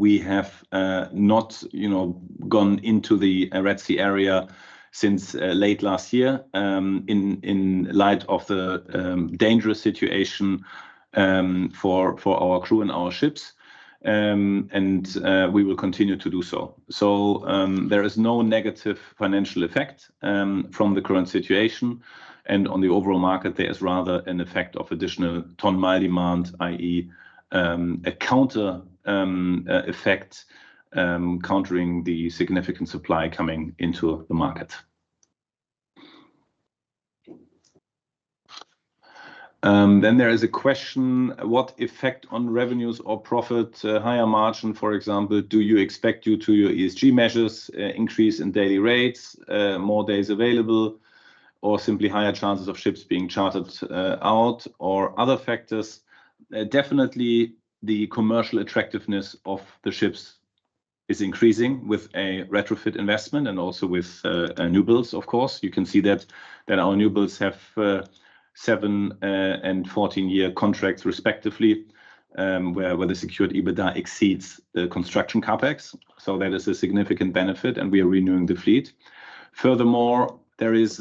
well-being of our crew, which is the most critical element in our consideration. We have not gone into the Red Sea area since late last year in light of the dangerous situation for our crew and our ships. We will continue to do so. There is no negative financial effect from the current situation. On the overall market, there is rather an effect of additional ton-mile demand, i.e., a counter effect countering the significant supply coming into the market. There is a question: What effect on revenues or profit, higher margin, for example, do you expect due to your ESG measures, increase in daily rates, more days available, or simply higher chances of ships being chartered out, or other factors? Definitely, the commercial attractiveness of the ships is increasing with a retrofit investment and also with new builds, of course. You can see that our new builds have 7- and 14-year contracts, respectively, where the secured EBITDA exceeds the construction CapEx. So that is a significant benefit, and we are renewing the fleet. Furthermore, there is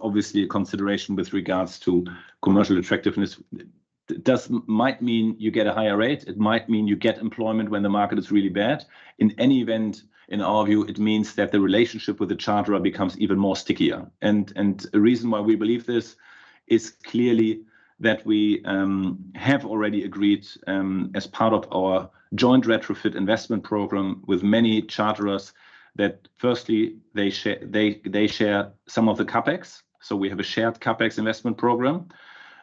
obviously a consideration with regards to commercial attractiveness. It might mean you get a higher rate. It might mean you get employment when the market is really bad. In any event, in our view, it means that the relationship with the charterer becomes even more stickier. And a reason why we believe this is clearly that we have already agreed as part of our joint retrofit investment program with many charterers that, firstly, they share some of the CapEx. So we have a shared CapEx investment program.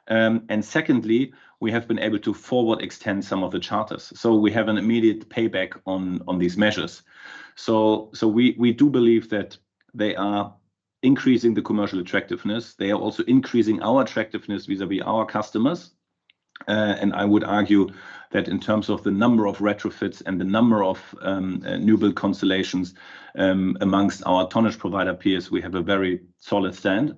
And secondly, we have been able to forward extend some of the charters. So we have an immediate payback on these measures. We do believe that they are increasing the commercial attractiveness. They are also increasing our attractiveness vis-à-vis our customers. I would argue that in terms of the number of retrofits and the number of new build constellations amongst our tonnage provider peers, we have a very solid stand.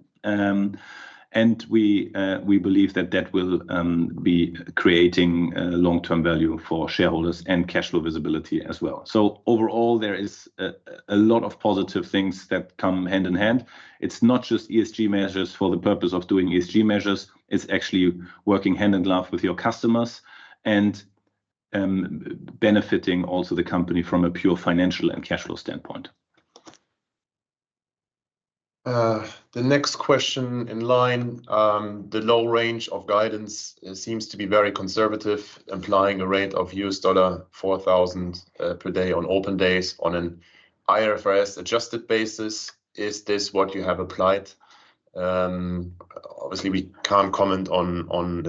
We believe that that will be creating long-term value for shareholders and cash flow visibility as well. Overall, there is a lot of positive things that come hand in hand. It's not just ESG measures for the purpose of doing ESG measures. It's actually working hand in glove with your customers and benefiting also the company from a pure financial and cash flow standpoint. The next question in line: The low range of guidance seems to be very conservative, implying a rate of $4,000 per day on open days on an IFRS adjusted basis. Is this what you have applied? Obviously, we can't comment on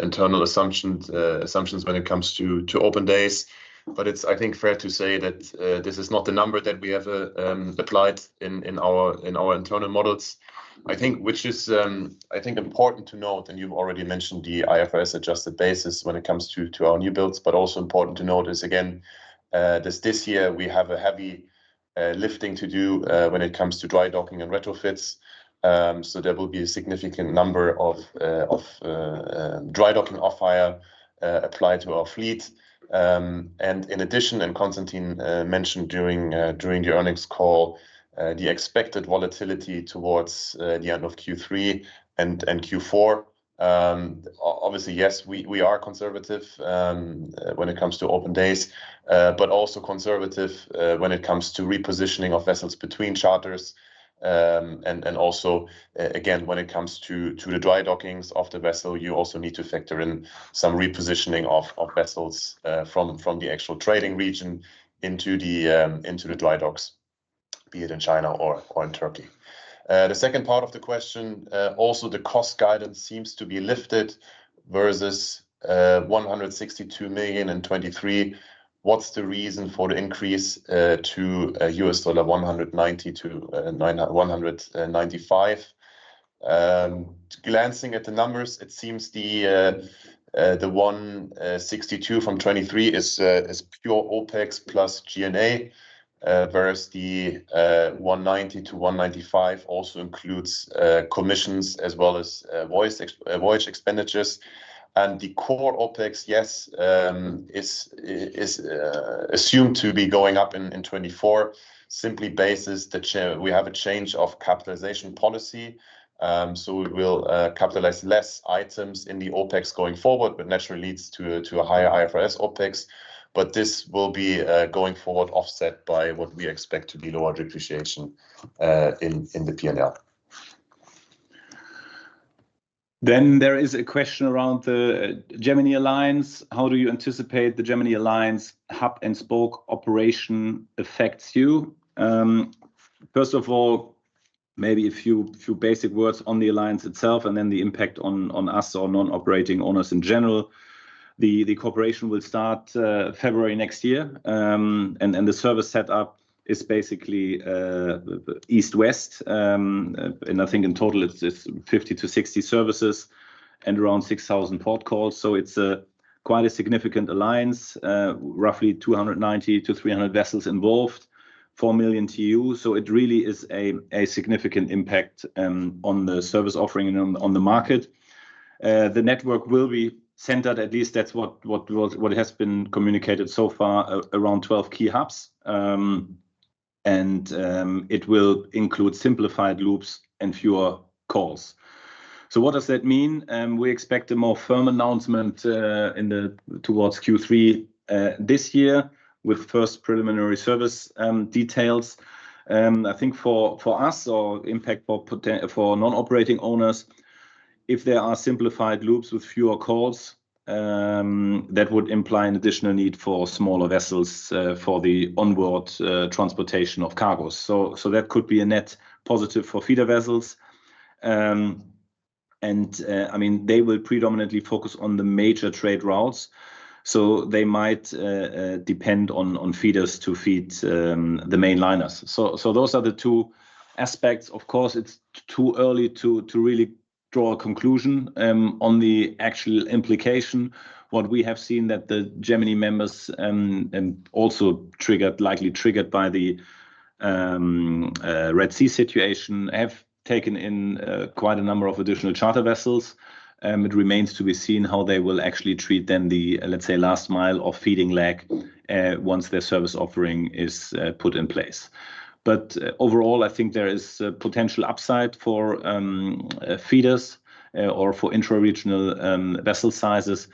internal assumptions when it comes to open days, but it's, I think, fair to say that this is not the number that we have applied in our internal models, I think, which is important to note. And you've already mentioned the IFRS adjusted basis when it comes to our new builds, but also important to note is, again, this year, we have a heavy lifting to do when it comes to dry docking and retrofits. So there will be a significant number of dry docking off-hire applied to our fleet. And in addition, and Constantin mentioned during your earnings call, the expected volatility towards the end of Q3 and Q4, obviously, yes, we are conservative when it comes to open days, but also conservative when it comes to repositioning of vessels between charters. And also, again, when it comes to the dry dockings of the vessel, you also need to factor in some repositioning of vessels from the actual trading region into the dry docks, be it in China or in Turkey. The second part of the question, also the cost guidance seems to be lifted versus $162 million in 2023. What's the reason for the increase to $190 million-$195 million? Glancing at the numbers, it seems the $162 million from 2023 is pure OPEX plus G&A, whereas the $190 million-$195 million also includes commissions as well as voyage expenditures. The core OPEX, yes, is assumed to be going up in 2024 simply based on that we have a change of capitalization policy. So we will capitalize less items in the OPEX going forward, which naturally leads to a higher IFRS OPEX. But this will be going forward offset by what we expect to be lower depreciation in the P&L. Then there is a question around the Gemini Cooperation. How do you anticipate the Gemini Cooperation hub and spoke operation affects you? First of all, maybe a few basic words on the cooperation itself and then the impact on us or non-operating owners in general. The cooperation will start February next year, and the service setup is basically east-west. And I think in total, it's 50-60 services and around 6,000 port calls. So it's quite a significant cooperation, roughly 290-300 vessels involved, 4 million TEUs. So it really is a significant impact on the service offering and on the market. The network will be centered, at least that's what has been communicated so far, around 12 key hubs. And it will include simplified loops and fewer calls. So what does that mean? We expect a more firm announcement towards Q3 this year with first preliminary service details. I think the impact for non-operating owners, if there are simplified loops with fewer calls, that would imply an additional need for smaller vessels for the onward transportation of cargos. So that could be a net positive for feeder vessels. And I mean, they will predominantly focus on the major trade routes. So they might depend on feeders to feed the mainliners. So those are the two aspects. Of course, it's too early to really draw a conclusion on the actual implication. What we have seen is that the Gemini members, also likely triggered by the Red Sea situation, have taken in quite a number of additional charter vessels. It remains to be seen how they will actually treat then the, let's say, last mile of feeding leg once their service offering is put in place. But overall, I think there is potential upside for feeders or for intra-regional vessel sizes,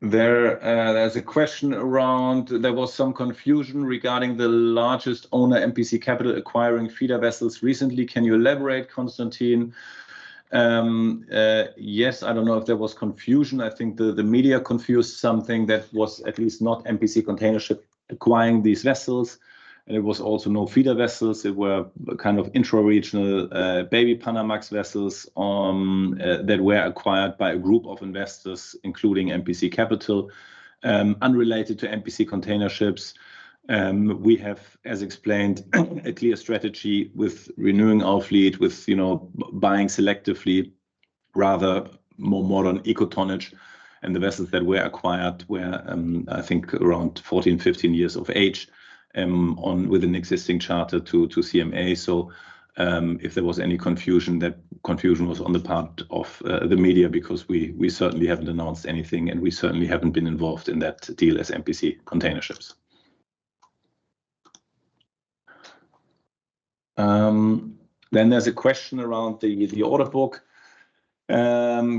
but it remains to be seen what that will actually mean. There's a question around; there was some confusion regarding the largest owner MPC Capital acquiring feeder vessels recently. Can you elaborate, Constantin? Yes, I don't know if there was confusion. I think the media confused something that was at least not MPC Container Ships acquiring these vessels. And it was also no feeder vessels. It were kind of intra-regional baby Panamax vessels that were acquired by a group of investors, including MPC Capital, unrelated to MPC Container Ships. We have, as explained, a clear strategy with renewing our fleet, with buying selectively rather more modern eco-tonnage. The vessels that were acquired were, I think, around 14, 15 years of age with an existing charter to CMA. So if there was any confusion, that confusion was on the part of the media because we certainly haven't announced anything, and we certainly haven't been involved in that deal as MPC Container Ships. Then there's a question around the order book.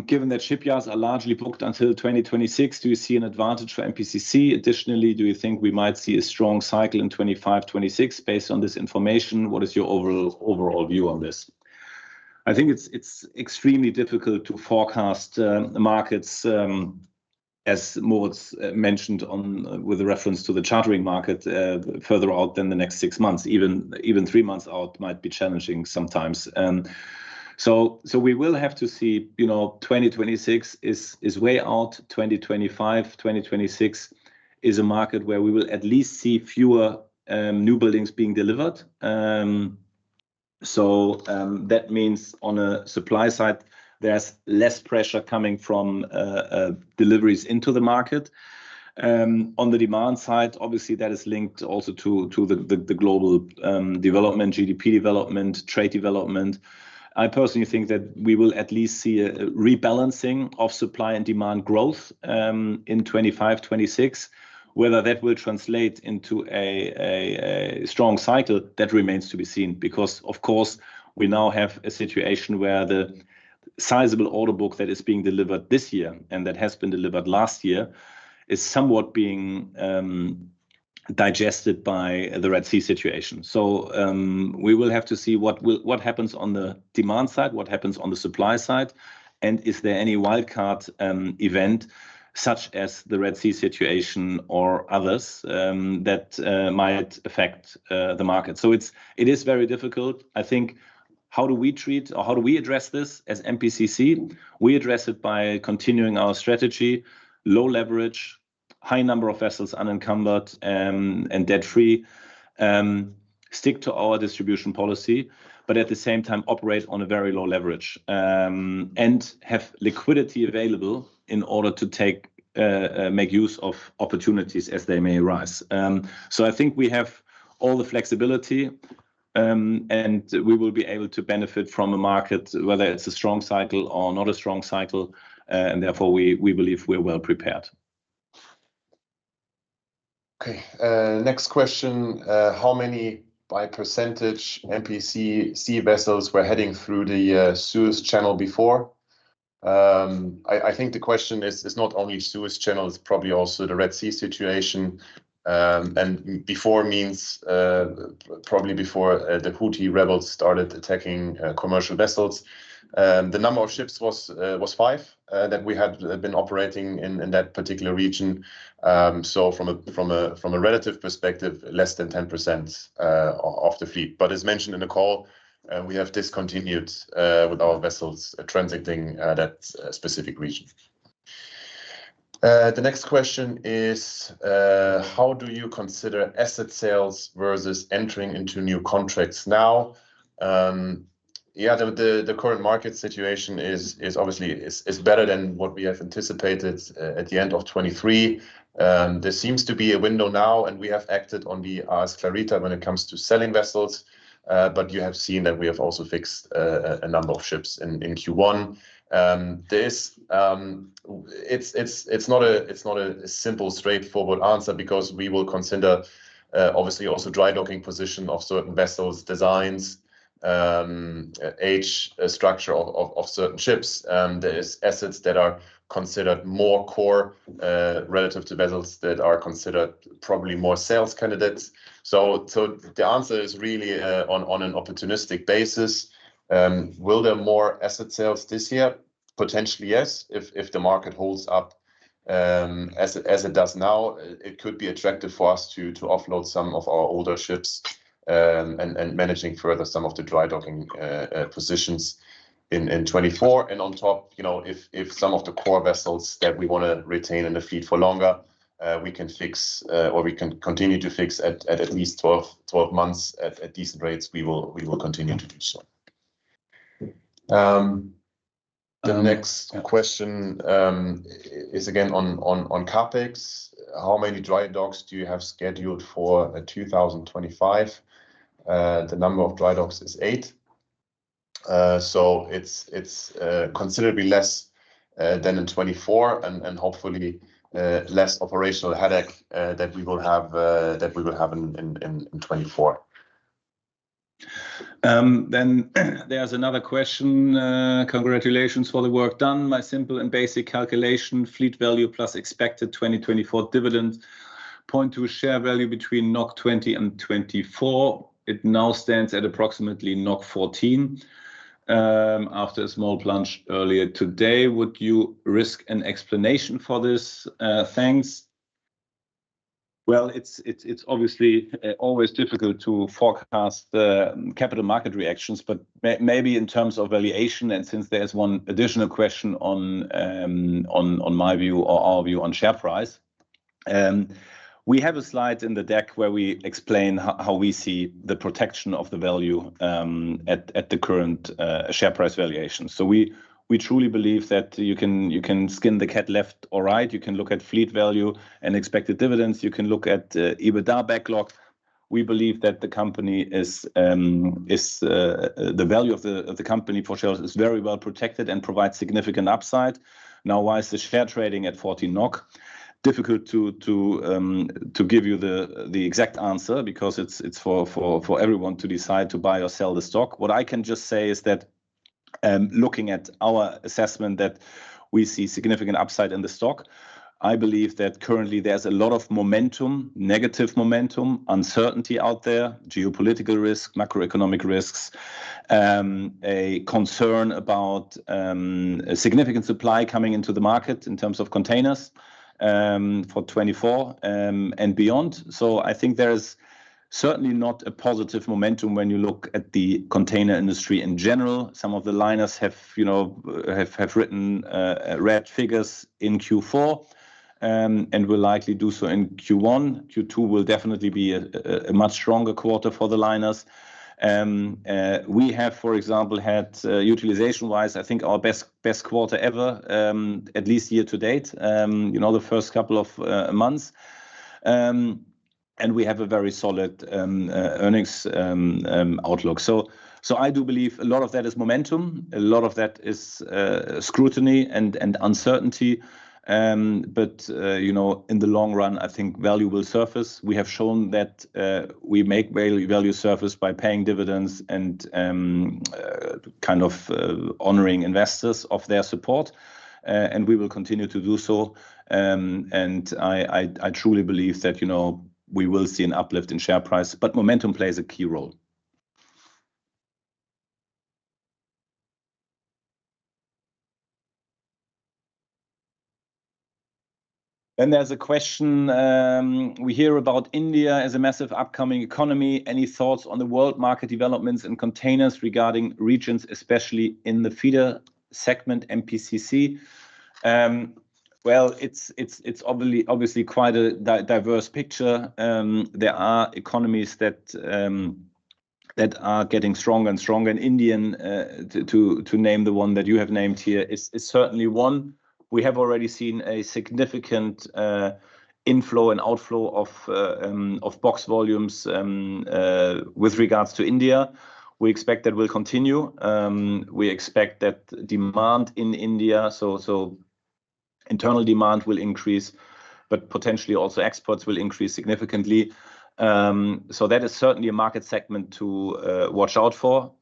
Given that shipyards are largely booked until 2026, do you see an advantage for MPCC? Additionally, do you think we might see a strong cycle in 2025, 2026 based on this information? What is your overall view on this? I think it's extremely difficult to forecast markets, as Moritz mentioned with reference to the chartering market, further out than the next six months. Even three months out might be challenging sometimes. So we will have to see. 2026 is way out. 2025, 2026 is a market where we will at least see fewer new buildings being delivered. So that means on a supply side, there's less pressure coming from deliveries into the market. On the demand side, obviously, that is linked also to the global development, GDP development, trade development. I personally think that we will at least see a rebalancing of supply and demand growth in 2025, 2026, whether that will translate into a strong cycle, that remains to be seen because, of course, we now have a situation where the sizable order book that is being delivered this year and that has been delivered last year is somewhat being digested by the Red Sea situation. So we will have to see what happens on the demand side, what happens on the supply side, and is there any wildcard event such as the Red Sea situation or others that might affect the market. So it is very difficult. I think how do we treat or how do we address this as MPCC? We address it by continuing our strategy: low leverage, high number of vessels unencumbered and debt-free, stick to our distribution policy, but at the same time, operate on a very low leverage and have liquidity available in order to make use of opportunities as they may arise. So I think we have all the flexibility, and we will be able to benefit from a market, whether it's a strong cycle or not a strong cycle. And therefore, we believe we're well prepared. Okay. Next question: How many by percentage MPCC vessels were heading through the Suez Canal before? I think the question is not only Suez Canal, it's probably also the Red Sea situation. And before means probably before the Houthi rebels started attacking commercial vessels. The number of ships was 5 that we had been operating in that particular region. So from a relative perspective, less than 10% of the fleet. But as mentioned in the call, we have discontinued with our vessels transiting that specific region. The next question is: How do you consider asset sales versus entering into new contracts now? Yeah, the current market situation is obviously better than what we have anticipated at the end of 2023. There seems to be a window now, and we have acted on the AS Clarita when it comes to selling vessels. But you have seen that we have also fixed a number of ships in Q1. It's not a simple, straightforward answer because we will consider, obviously, also dry docking position of certain vessels, designs, age structure of certain ships. There are assets that are considered more core relative to vessels that are considered probably more sales candidates. So the answer is really on an opportunistic basis. Will there be more asset sales this year? Potentially, yes. If the market holds up as it does now, it could be attractive for us to offload some of our older ships and managing further some of the dry docking positions in 2024. On top, if some of the core vessels that we want to retain in the fleet for longer, we can fix or we can continue to fix at least 12 months at decent rates, we will continue to do so. The next question is, again, on CapEx. How many dry docks do you have scheduled for 2025? The number of dry docks is 8. So it's considerably less than in 2024 and hopefully less operational headache that we will have in 2024. Then there's another question: Congratulations for the work done. My simple and basic calculation: Fleet value plus expected 2024 dividend point to share value between 20-24. It now stands at approximately 14 after a small plunge earlier today. Would you risk an explanation for this? Thanks. Well, it's obviously always difficult to forecast capital market reactions, but maybe in terms of valuation. And since there's one additional question on my view or our view on share price, we have a slide in the deck where we explain how we see the protection of the value at the current share price valuation. So we truly believe that you can skin the cat left or right. You can look at fleet value and expected dividends. You can look at EBITDA backlog. We believe that the company is the value of the company for sales is very well protected and provides significant upside. Now, why is the share trading at 14 NOK? Difficult to give you the exact answer because it's for everyone to decide to buy or sell the stock. What I can just say is that looking at our assessment that we see significant upside in the stock. I believe that currently there's a lot of momentum, negative momentum, uncertainty out there, geopolitical risk, macroeconomic risks, a concern about significant supply coming into the market in terms of containers for 2024 and beyond. So I think there is certainly not a positive momentum when you look at the container industry in general. Some of the liners have written red figures in Q4 and will likely do so in Q1. Q2 will definitely be a much stronger quarter for the liners. We have, for example, had utilization-wise, I think, our best quarter ever, at least year to date, the first couple of months. We have a very solid earnings outlook. I do believe a lot of that is momentum. A lot of that is scrutiny and uncertainty. In the long run, I think value will surface. We have shown that we make value surface by paying dividends and kind of honoring investors of their support. We will continue to do so. I truly believe that we will see an uplift in share price. Momentum plays a key role. Then there's a question we hear about India as a massive upcoming economy. Any thoughts on the world market developments in containers regarding regions, especially in the feeder segment MPCC? Well, it's obviously quite a diverse picture. There are economies that are getting stronger and stronger. India, to name the one that you have named here, is certainly one. We have already seen a significant inflow and outflow of box volumes with regards to India. We expect that will continue. We expect that demand in India, so internal demand will increase, but potentially also exports will increase significantly. So that is certainly a market segment to watch out for.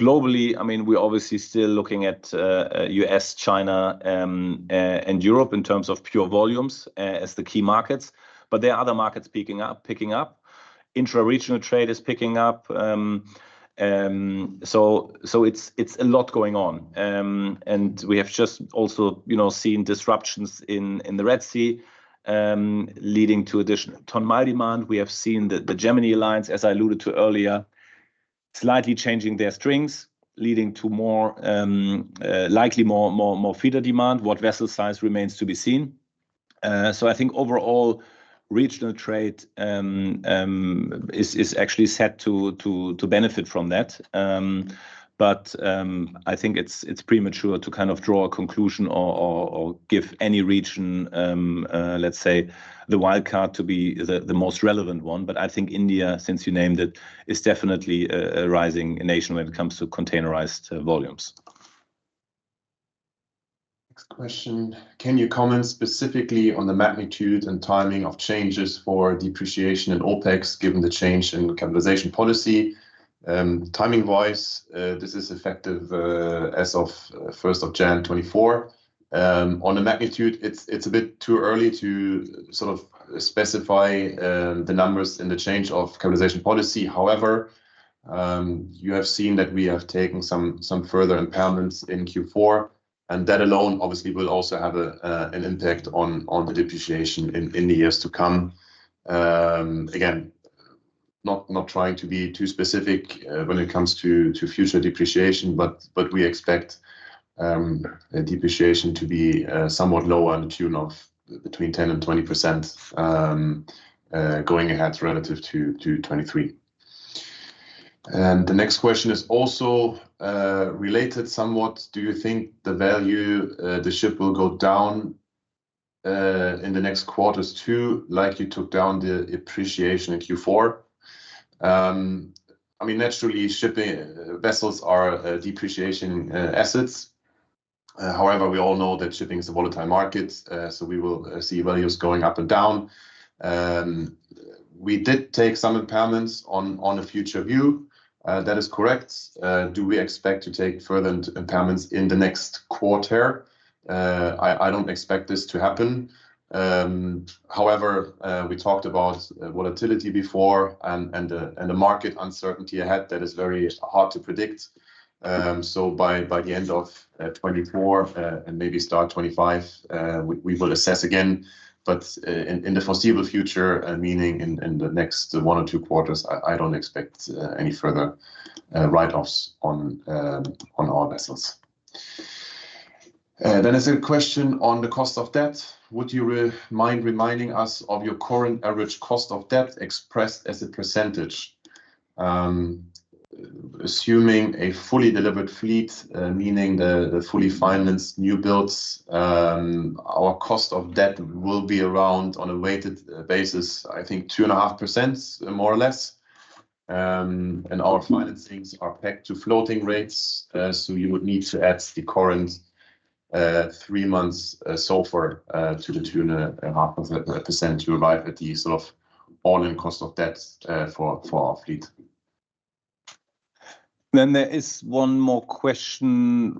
Globally, I mean, we're obviously still looking at U.S., China, and Europe in terms of pure volumes as the key markets. But there are other markets picking up. Intra-regional trade is picking up. So it's a lot going on. And we have just also seen disruptions in the Red Sea leading to additional ton-mile demand. We have seen the Gemini lines, as I alluded to earlier, slightly changing their strings, leading to likely more feeder demand, what vessel size remains to be seen. I think overall, regional trade is actually set to benefit from that. But I think it's premature to kind of draw a conclusion or give any region, let's say, the wildcard to be the most relevant one. But I think India, since you named it, is definitely a rising nation when it comes to containerized volumes. Next question: Can you comment specifically on the magnitude and timing of changes for depreciation and OPEX given the change in capitalization policy? Timing-wise, this is effective as of 1st of January 2024. On the magnitude, it's a bit too early to sort of specify the numbers in the change of capitalization policy. However, you have seen that we have taken some further impairments in Q4, and that alone, obviously, will also have an impact on the depreciation in the years to come. Again, not trying to be too specific when it comes to future depreciation, but we expect depreciation to be somewhat lower in the tune of between 10% and 20% going ahead relative to 2023. And the next question is also related somewhat: Do you think the value of the ship will go down in the next quarters too, like you took down the depreciation in Q4? I mean, naturally, vessels are depreciable assets. However, we all know that shipping is a volatile market, so we will see values going up and down. We did take some impairments on a future view. That is correct. Do we expect to take further impairments in the next quarter? I don't expect this to happen. However, we talked about volatility before and the market uncertainty ahead that is very hard to predict. So by the end of 2024 and maybe start 2025, we will assess again. But in the foreseeable future, meaning in the next one or two quarters, I don't expect any further write-offs on our vessels. Then there's a question on the cost of debt. Would you mind reminding us of your current average cost of debt expressed as a percentage? Assuming a fully delivered fleet, meaning the fully financed new builds, our cost of debt will be around, on a weighted basis, I think, 2.5%, more or less. Our financings are pegged to floating rates. You would need to add the current three-month SOFR to the tune of 0.5% to arrive at the sort of all-in cost of debt for our fleet. Then there is one more question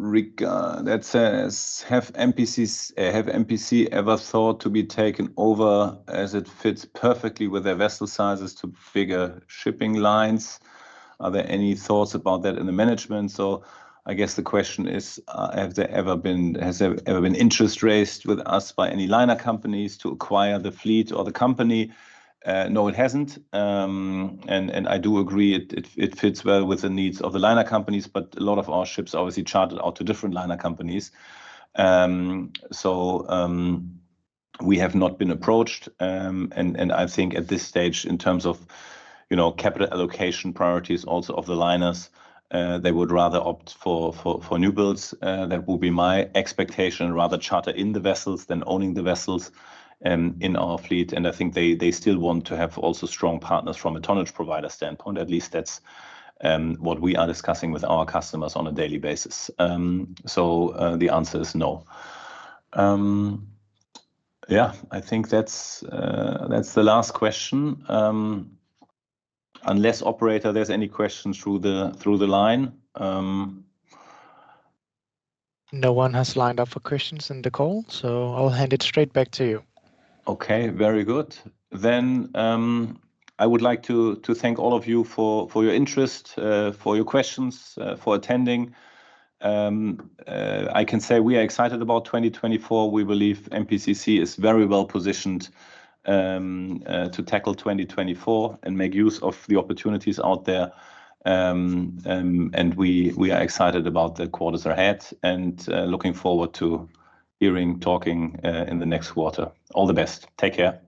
that says: Have MPC ever thought to be taken over as it fits perfectly with their vessel sizes to bigger shipping lines? Are there any thoughts about that in the management? So I guess the question is: Has there ever been interest raised with us by any liner companies to acquire the fleet or the company? No, it hasn't. And I do agree it fits well with the needs of the liner companies, but a lot of our ships are obviously chartered out to different liner companies. So we have not been approached. And I think at this stage, in terms of capital allocation priorities also of the liners, they would rather opt for new builds. That would be my expectation: rather charter in the vessels than owning the vessels in our fleet. I think they still want to have also strong partners from a tonnage provider standpoint. At least that's what we are discussing with our customers on a daily basis. So the answer is no. Yeah, I think that's the last question. Unless, operator, there's any questions through the line. No one has lined up for questions in the call, so I'll hand it straight back to you. Okay, very good. Then I would like to thank all of you for your interest, for your questions, for attending. I can say we are excited about 2024. We believe MPCC is very well positioned to tackle 2024 and make use of the opportunities out there. And we are excited about the quarters ahead and looking forward to hearing, talking in the next quarter. All the best. Take care.